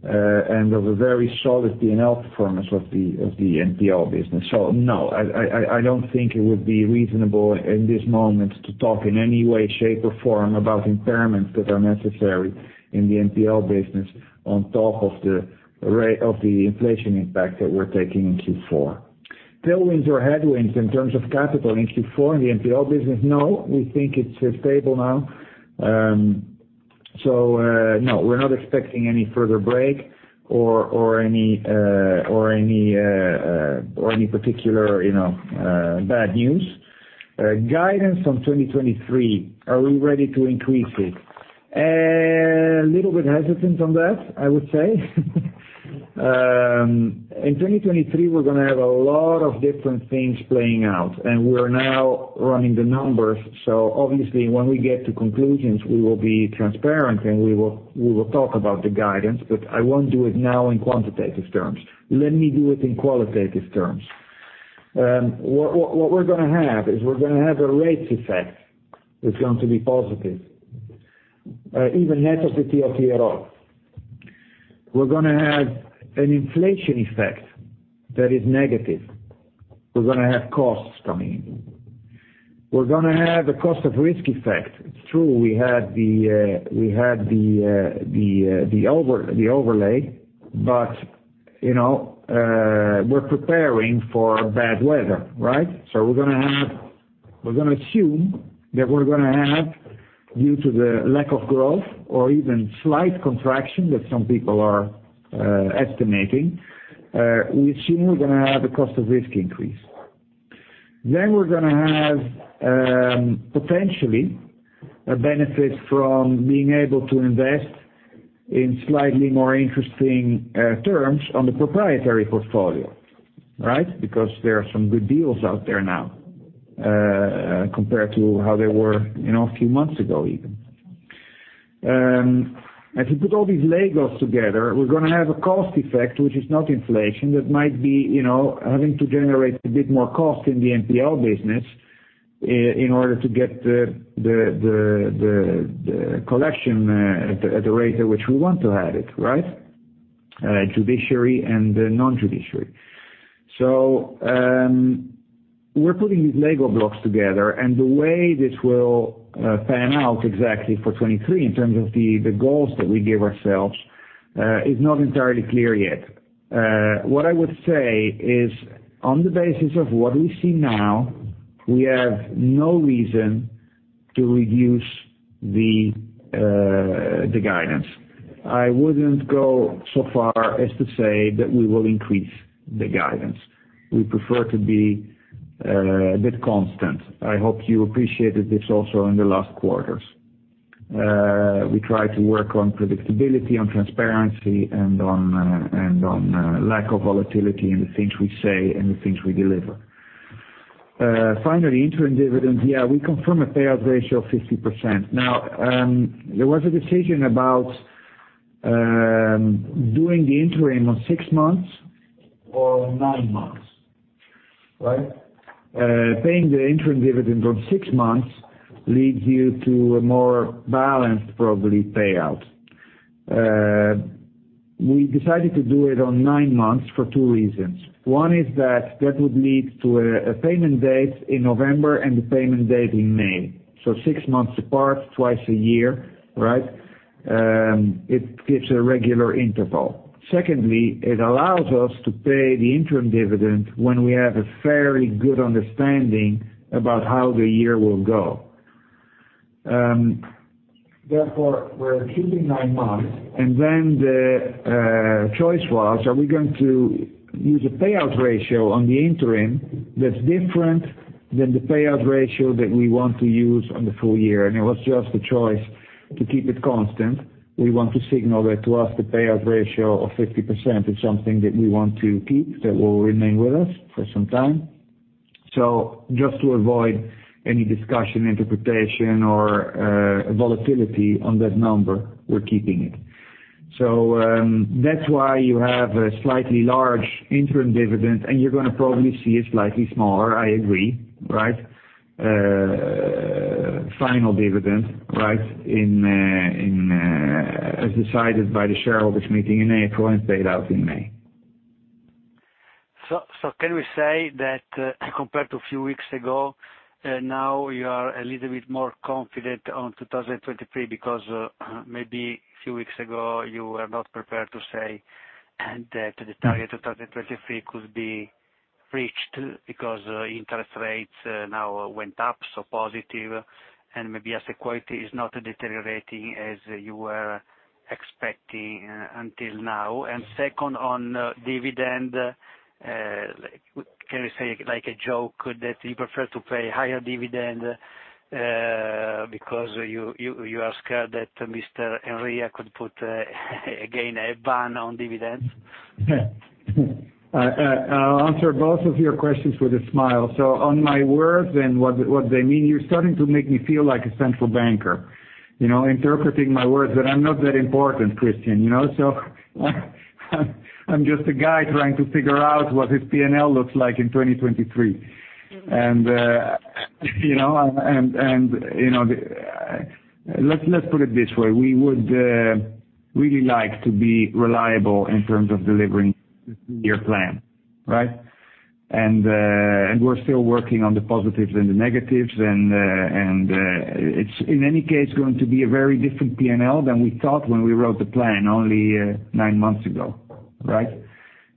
and of a very solid P&L performance of the NPL business. No, I don't think it would be reasonable at this moment to talk in any way, shape, or form about impairments that are necessary in the NPL business on top of the inflation impact that we're taking in Q4. Tailwinds or headwinds in terms of capital in Q4 in the NPL business? No, we think it's stable now. No, we're not expecting any further break or any particular, you know, bad news. Guidance on 2023, are we ready to increase it? A little bit hesitant on that, I would say. In 2023, we're going to have a lot of different things playing out, and we're now running the numbers. Obviously when we get to conclusions, we will be transparent and we will talk about the guidance, but I won't do it now in quantitative terms. Let me do it in qualitative terms. What we're going to have is a rates effect that's going to be positive. Even net of the TLTRO. We're going to have an inflation effect that is negative. We're going to have costs coming in. We're going to have a cost of risk effect. It's true we had the overlay, but you know, we're preparing for bad weather, right? We're gonna have... We're gonna assume that we're gonna have, due to the lack of growth or even slight contraction that some people are estimating, we assume we're going to have a cost of risk increase. We're going to have potentially a benefit from being able to invest in slightly more interesting terms on the proprietary portfolio, right? Because there are some good deals out there now compared to how they were, you know, a few months ago even. As you put all these LEGOs together, we're going to have a cost effect, which is not inflation. That might be, you know, having to generate a bit more cost in the NPL business in order to get the collection at the rate at which we want to have it, right? Judiciary and non-judiciary. We're putting these LEGO blocks together, and the way this will pan out exactly for 2023 in terms of the goals that we give ourselves is not entirely clear yet. What I would say is on the basis of what we see now, we have no reason to reduce the guidance. I wouldn't go so far as to say that we will increase the guidance. We prefer to be a bit constant. I hope you appreciated this also in the last quarters. We try to work on predictability, on transparency, and on lack of volatility in the things we say and the things we deliver. Finally, interim dividend. Yeah, we confirm a payout ratio of 50%. Now, there was a decision about doing the interim on six months or nine months, right? Paying the interim dividend on six months leads you to a more balanced probably payout. We decided to do it on nine months for two reasons. One is that would lead to a payment date in November and the payment date in May. Six months apart twice a year, right? It gives a regular interval. Secondly, it allows us to pay the interim dividend when we have a fairly good understanding about how the year will go. Therefore, we're keeping nine months. The choice was, are we going to use a payout ratio on the interim that's different than the payout ratio that we want to use on the full year? It was just a choice to keep it constant. We want to signal that to us the payout ratio of 50% is something that we want to keep, that will remain with us for some time. Just to avoid any discussion, interpretation, or volatility on that number, we're keeping it. That's why you have a slightly large interim dividend, and you're gonna probably see a slightly smaller, I agree, right, final dividend, right, in as decided by the shareholders meeting in April and paid out in May. Can we say that, compared to a few weeks ago, now you are a little bit more confident on 2023 because, maybe a few weeks ago you were not prepared to say that the target 2023 could be reached because, interest rates now went up, so positive, and maybe asset quality is not deteriorating as you were expecting until now. Second on dividend, can we say like a joke that you prefer to pay higher dividend because you are scared that Mr. Enria could put again a ban on dividends? I'll answer both of your questions with a smile. On my words and what they mean, you're starting to make me feel like a central banker, you know, interpreting my words, but I'm not that important, Christian, you know? I'm just a guy trying to figure out what his P&L looks like in 2023. You know, the... Let's put it this way. We would really like to be reliable in terms of delivering your plan, right? We're still working on the positives and the negatives, and it's in any case going to be a very different P&L than we thought when we wrote the plan only nine months ago, right?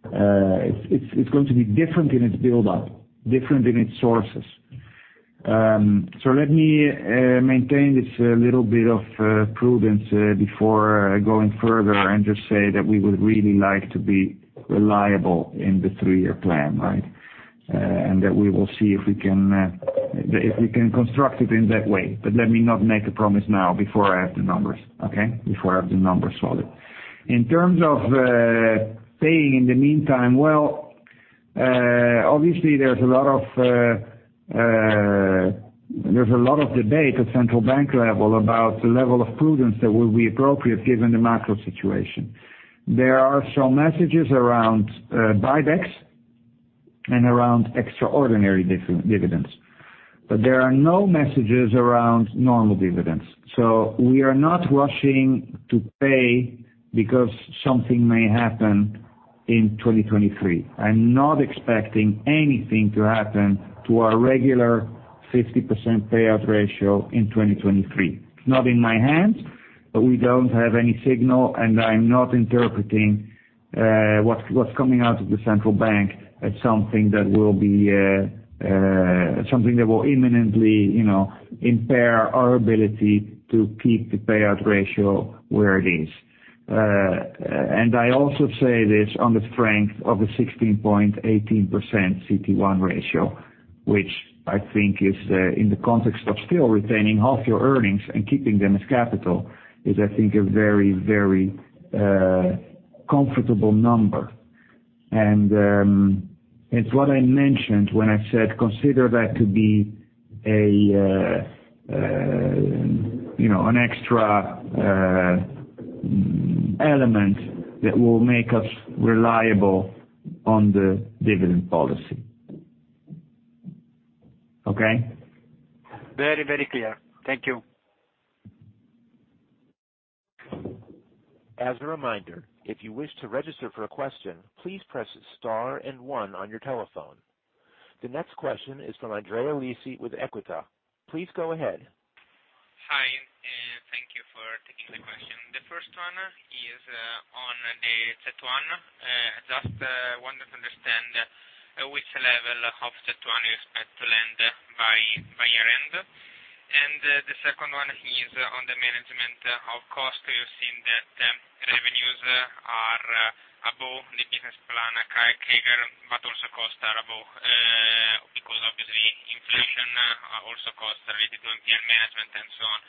It's going to be different in its build-up, different in its sources. Let me maintain this little bit of prudence before going further and just say that we would really like to be reliable in the three-year plan, right? We will see if we can construct it in that way. Let me not make a promise now before I have the numbers, okay? Before I have the numbers for that. In terms of paying in the meantime, well, obviously there's a lot of debate at central bank level about the level of prudence that would be appropriate given the macro situation. There are some messages around buybacks and around extraordinary dividends. There are no messages around normal dividends. We are not rushing to pay because something may happen in 2023. I'm not expecting anything to happen to our regular 50% payout ratio in 2023. It's not in my hands, but we don't have any signal, and I'm not interpreting what's coming out of the central bank as something that will imminently, you know, impair our ability to keep the payout ratio where it is. I also say this on the strength of the 16.18% CET1 ratio, which I think is, in the context of still retaining half your earnings and keeping them as capital, a very comfortable number. It's what I mentioned when I said consider that to be a, you know, an extra element that will make us reliable on the dividend policy. Okay. Very, very clear. Thank you. As a reminder, if you wish to register for a question, please press star and one on your telephone. The next question is from Andrea Lisi with Equita. Please go ahead. Hi, thank you for taking the question. The first one is on the CET1. Just wanted to understand which level of CET1 you expect to land by year-end. The second one is on the management of cost. You've seen that the revenues are above the business plan, but also costs are above, because obviously inflation also costs related to NPL management and so on.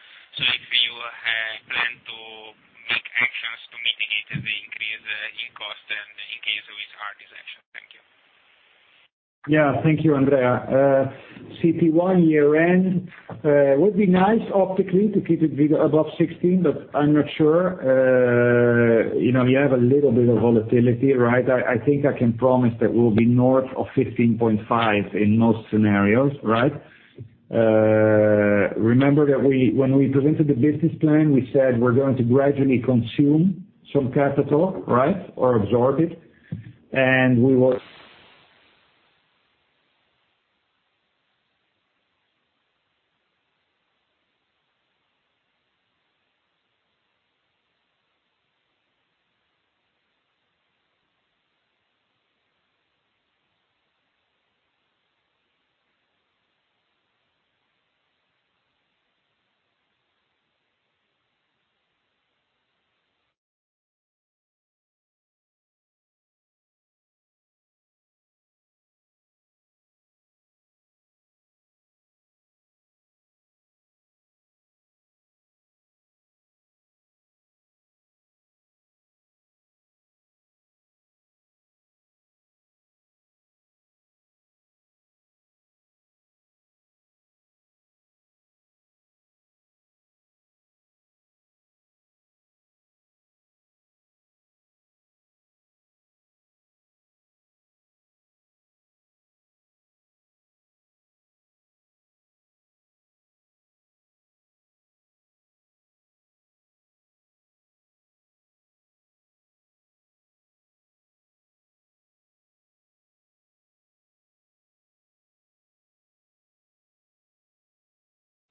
If you have planned to make actions to mitigate the increase in cost and in case which are these actions. Thank you. Yeah. Thank you, Andrea. CET1 year-end would be nice optically to keep it above 16%, but I'm not sure. You know, you have a little bit of volatility, right? I think I can promise that we'll be north of 15.5% in most scenarios, right? Remember that when we presented the business plan, we said we're going to gradually consume some capital, right, or absorb it.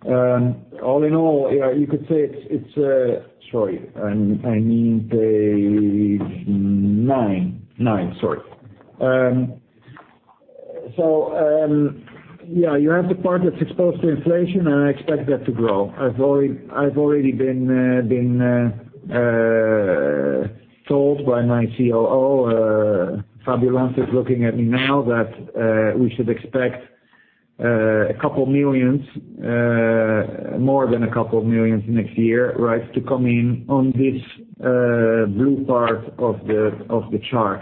All in all, you could say it's. Sorry, I need page nine, sorry. Yeah, you have the part that's exposed to inflation, and I expect that to grow. I've already been told by my COO, Fabiola is looking at me now, that we should expect a couple million, more than a couple of million next year, right, to come in on this blue part of the chart.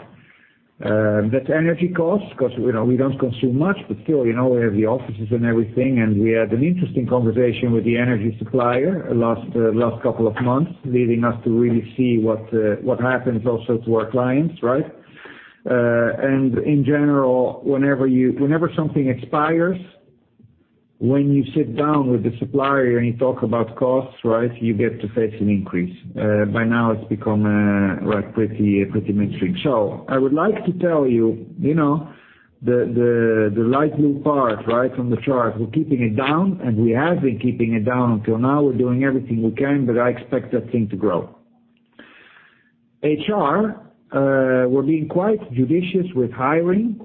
That's energy costs, 'cause, you know, we don't consume much, but still, you know, we have the offices and everything. We had an interesting conversation with the energy supplier last couple of months, leading us to really see what happens also to our clients, right? In general, whenever something expires, when you sit down with the supplier and you talk about costs, right, you get to face an increase. By now it's become like pretty mainstream. I would like to tell you know, the light blue part, right, from the chart, we're keeping it down, and we have been keeping it down until now. We're doing everything we can, but I expect that thing to grow. HR, we're being quite judicious with hiring.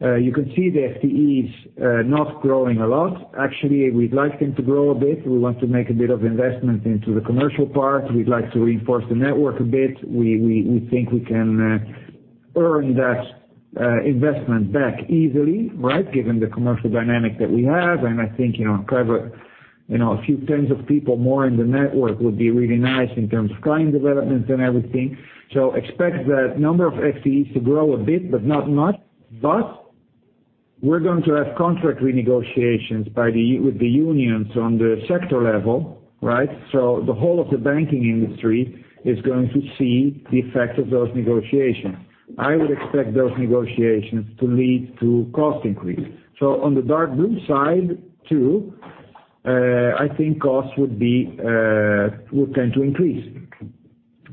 You can see the FTEs not growing a lot. Actually, we'd like them to grow a bit. We want to make a bit of investment into the commercial part. We'd like to reinforce the network a bit. We think we can earn that investment back easily, right, given the commercial dynamic that we have. I think, you know, cover, you know, a few tens of people more in the network would be really nice in terms of client development and everything. Expect that number of FTEs to grow a bit, but not much. We're going to have contract renegotiations with the unions on the sector level, right? The whole of the banking industry is going to see the effect of those negotiations. I would expect those negotiations to lead to cost increase. On the dark blue side, too, I think costs would tend to increase.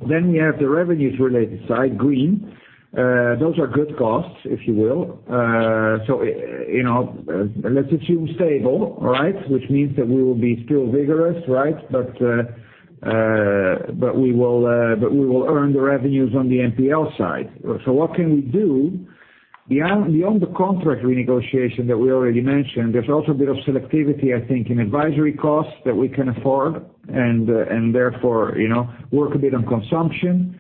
We have the revenues related side, green. Those are good costs, if you will. You know, let's assume stable, right? Which means that we will be still vigorous, right? We will earn the revenues on the NPL side. What can we do? Beyond the contract renegotiation that we already mentioned, there's also a bit of selectivity, I think, in advisory costs that we can afford and therefore, you know, work a bit on consumption.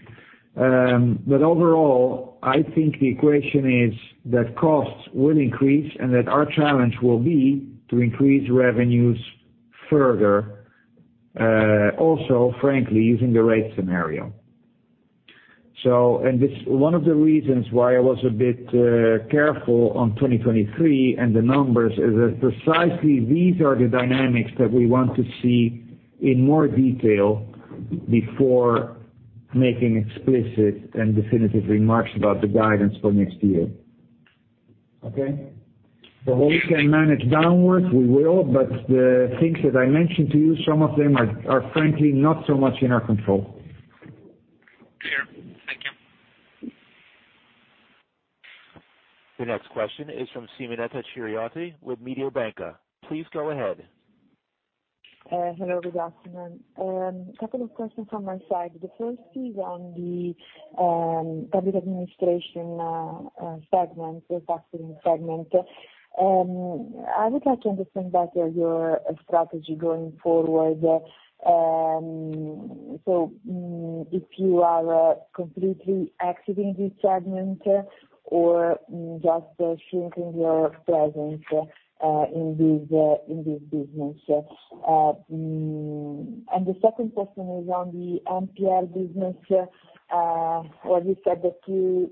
But overall, I think the equation is that costs will increase and that our challenge will be to increase revenues further, also, frankly, using the rate scenario. This one of the reasons why I was a bit careful on 2023 and the numbers is that precisely these are the dynamics that we want to see in more detail before making explicit and definitive remarks about the guidance for next year. Okay. What we can manage downwards, we will, but the things that I mentioned to you, some of them are frankly not so much in our control. Clear. Thank you. The next question is from Simonetta Chiriatti with Mediobanca. Please go ahead. Hello, good afternoon. A couple of questions from my side. The first is on the public administration segment, the factoring segment. I would like to understand better your strategy going forward. If you are completely exiting this segment or just shrinking your presence in this business? The second question is on the NPL business, where you said that you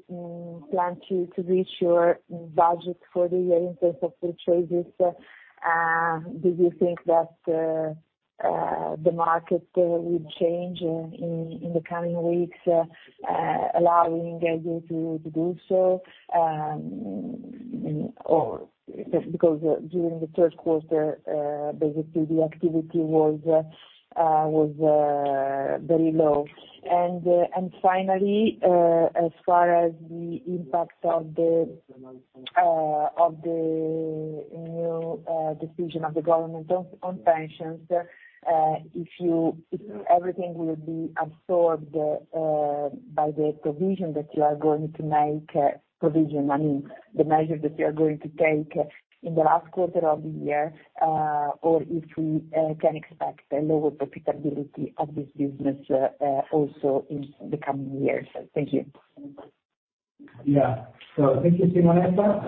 plan to reach your budget for the year in terms of pre-trades. Do you think that the market will change in the coming weeks, allowing you to do so, or because during the third quarter, basically the activity was very low? Finally, as far as the impact of the new decision of the government on pensions, if everything will be absorbed by the provision that you are going to make, provision, I mean, the measure that you are going to take in the last quarter of the year, or if we can expect a lower profitability of this business also in the coming years. Thank you. Yeah. Thank you, Simonetta.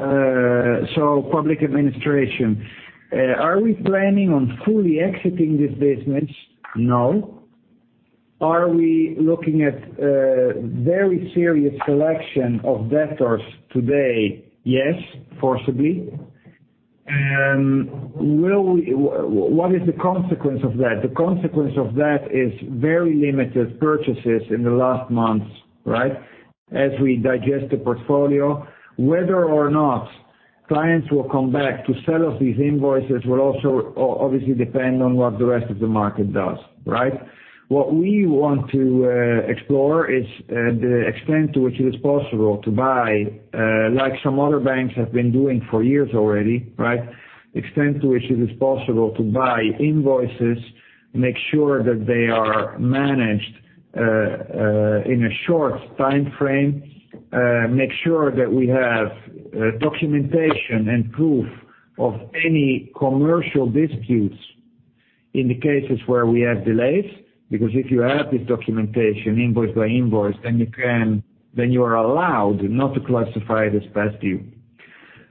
Public administration. Are we planning on fully exiting this business? No. Are we looking at very serious selection of debtors today? Yes, forcibly. What is the consequence of that? The consequence of that is very limited purchases in the last months, right? As we digest the portfolio, whether or not clients will come back to sell us these invoices will also obviously depend on what the rest of the market does, right? What we want to explore is the extent to which it is possible to buy, like some other banks have been doing for years already, right? Extent to which it is possible to buy invoices, make sure that they are managed, in a short time frame, make sure that we have, documentation and proof of any commercial disputes in the cases where we have delays. Because if you have this documentation invoice by invoice, then you are allowed not to classify it as past due.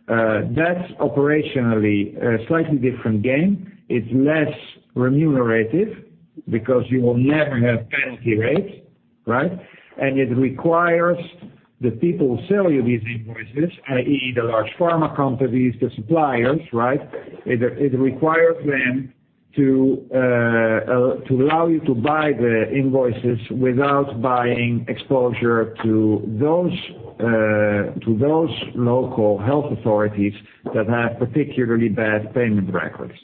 That's operationally a slightly different game. It's less remunerative because you will never have penalty rates, right? It requires the people who sell you these invoices, i.e. the large pharma companies, the suppliers, right? It requires them to allow you to buy the invoices without buying exposure to those local health authorities that have particularly bad payment records.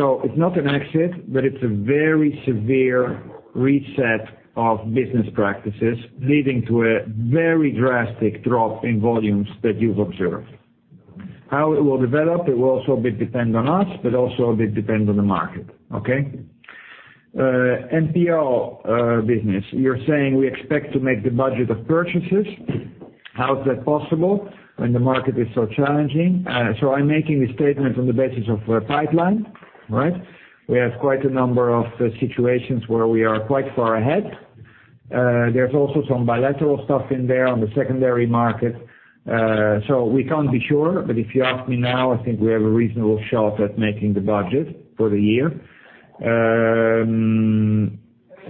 It's not an exit, but it's a very severe reset of business practices, leading to a very drastic drop in volumes that you've observed. How it will develop, it will also a bit depend on us, but also a bit depend on the market. Okay? NPL business, you're saying we expect to make the budget of purchases. How is that possible when the market is so challenging? I'm making this statement on the basis of pipeline, right? We have quite a number of situations where we are quite far ahead. There's also some bilateral stuff in there on the secondary market. We can't be sure, but if you ask me now, I think we have a reasonable shot at making the budget for the year.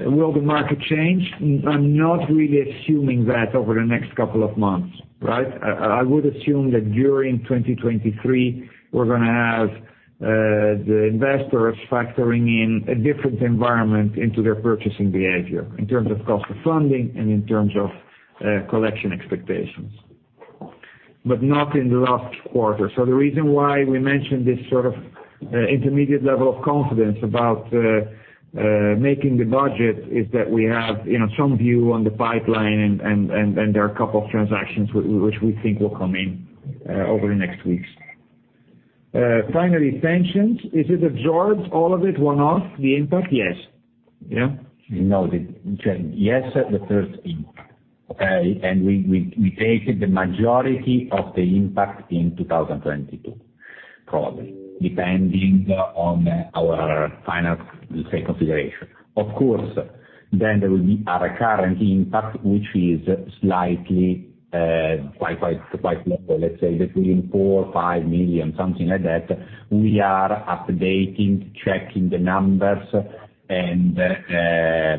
Will the market change? I'm not really assuming that over the next couple of months, right? I would assume that during 2023, we're gonna have the investors factoring in a different environment into their purchasing behavior in terms of cost of funding and in terms of collection expectations, but not in the last quarter. The reason why we mentioned this sort of intermediate level of confidence about making the budget is that we have, you know, some view on the pipeline and there are a couple of transactions which we think will come in over the next weeks. Finally, pensions. Is it absorbed, all of it, one-off, the impact? Yes. Yeah. No. Yes, the first impact. Okay. We take the majority of the impact in 2022, probably, depending on our final, say, consideration. Of course, then there will be a recurrent impact, which is slightly quite low. Let's say between 4-5 million, something like that. We are updating, checking the numbers and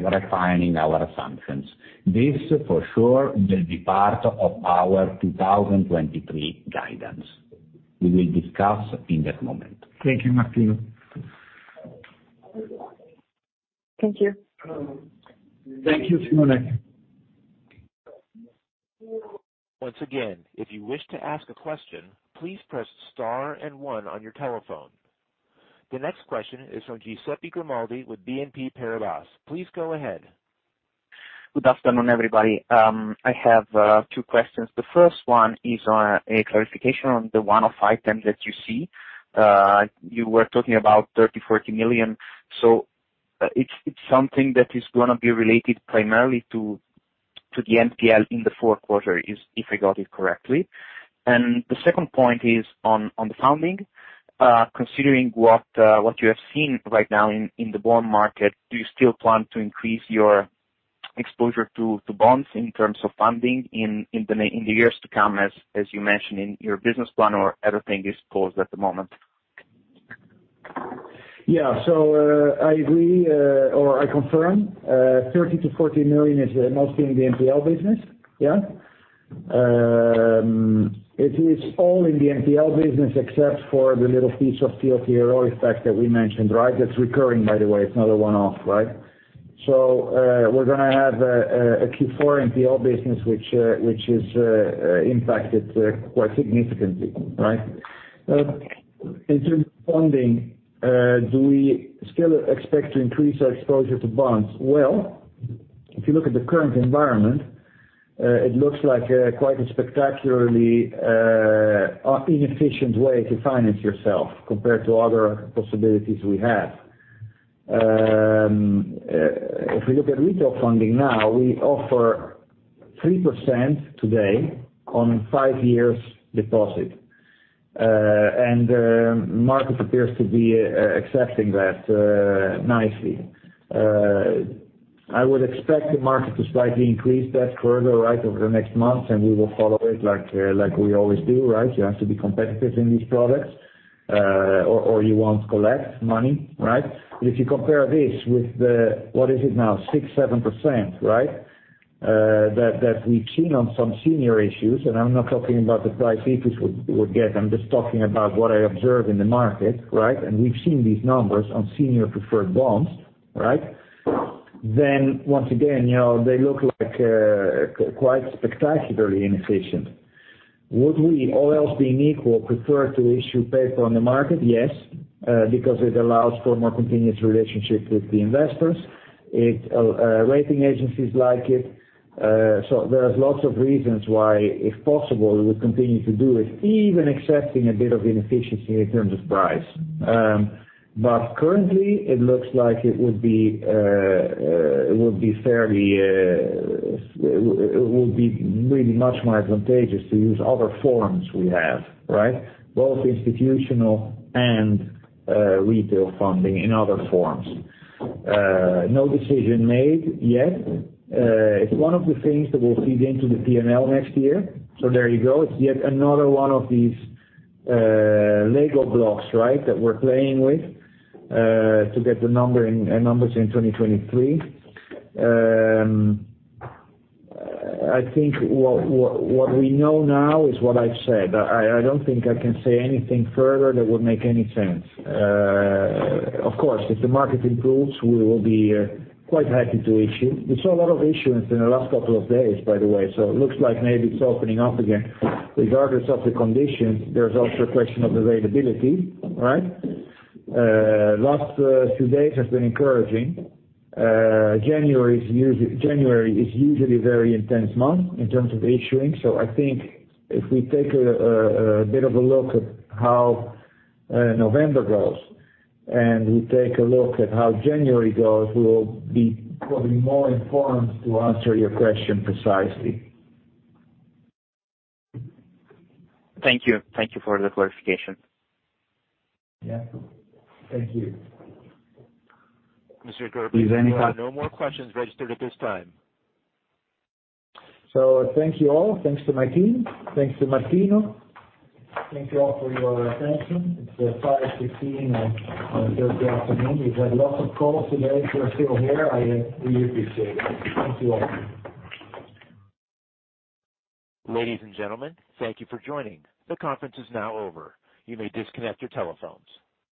refining our assumptions. This for sure will be part of our 2023 guidance. We will discuss in that moment. Thank you, Martino. Thank you. Thank you, Simone. Once again, if you wish to ask a question, please press star and one on your telephone. The next question is from Giuseppe Grimaldi with BNP Paribas. Please go ahead. Good afternoon, everybody. I have two questions. The first one is a clarification on the one-off item that you see. You were talking about 30 million, 40 million. So it's something that is gonna be related primarily to the NPL in the fourth quarter, is if I got it correctly. The second point is on the funding, considering what you have seen right now in the bond market, do you still plan to increase your exposure to bonds in terms of funding in the years to come, as you mentioned in your business plan or everything is paused at the moment? I agree, or I confirm, 30 million-40 million is mostly in the NPL business. It is all in the NPL business except for the little piece of TLTRO effect that we mentioned, right? That's recurring, by the way. It's not a one-off, right? We're gonna have a Q4 NPL business which is impacted quite significantly, right? In terms of funding, do we still expect to increase our exposure to bonds? Well, if you look at the current environment, it looks like quite a spectacularly inefficient way to finance yourself compared to other possibilities we have. If we look at retail funding now, we offer 3% today on 5 years deposit, and the market appears to be accepting that nicely. I would expect the market to slightly increase that further, right, over the next months, and we will follow it like we always do, right? You have to be competitive in these products, or you won't collect money, right? If you compare this with the, what is it now, 6%-7%, right, that we've seen on some senior issues, and I'm not talking about the price we get. I'm just talking about what I observe in the market, right? We've seen these numbers on senior preferred bonds, right? Once again, you know, they look like quite spectacularly inefficient. Would we, all else being equal, prefer to issue paper on the market? Yes, because it allows for more continuous relationship with the investors. It, rating agencies like it. There's lots of reasons why, if possible, we continue to do it, even accepting a bit of inefficiency in terms of price. Currently, it looks like it would be really much more advantageous to use other forms we have, right? Both institutional and retail funding in other forms. No decision made yet. It's one of the things that will feed into the P&L next year. There you go. It's yet another one of these LEGO blocks, right, that we're playing with to get the numbers in 2023. I think what we know now is what I've said. I don't think I can say anything further that would make any sense. Of course, if the market improves, we will be quite happy to issue. We saw a lot of issuance in the last couple of days, by the way, so it looks like maybe it's opening up again. Regardless of the condition, there's also a question of availability, right? Last two days have been encouraging. January is usually a very intense month in terms of issuing. I think if we take a bit of a look at how November goes, and we take a look at how January goes, we will be probably more informed to answer your question precisely. Thank you. Thank you for the clarification. Yeah. Thank you. Mr. Geertman, you have no more questions registered at this time. Thank you all. Thanks to my team. Thanks to Martino. Thank you all for your attention. It's 5:15 P.M. on a Thursday afternoon. We've had lots of calls today. If you're still here, I really appreciate it. Thank you all. Ladies and gentlemen, thank you for joining. The conference is now over. You may disconnect your telephones.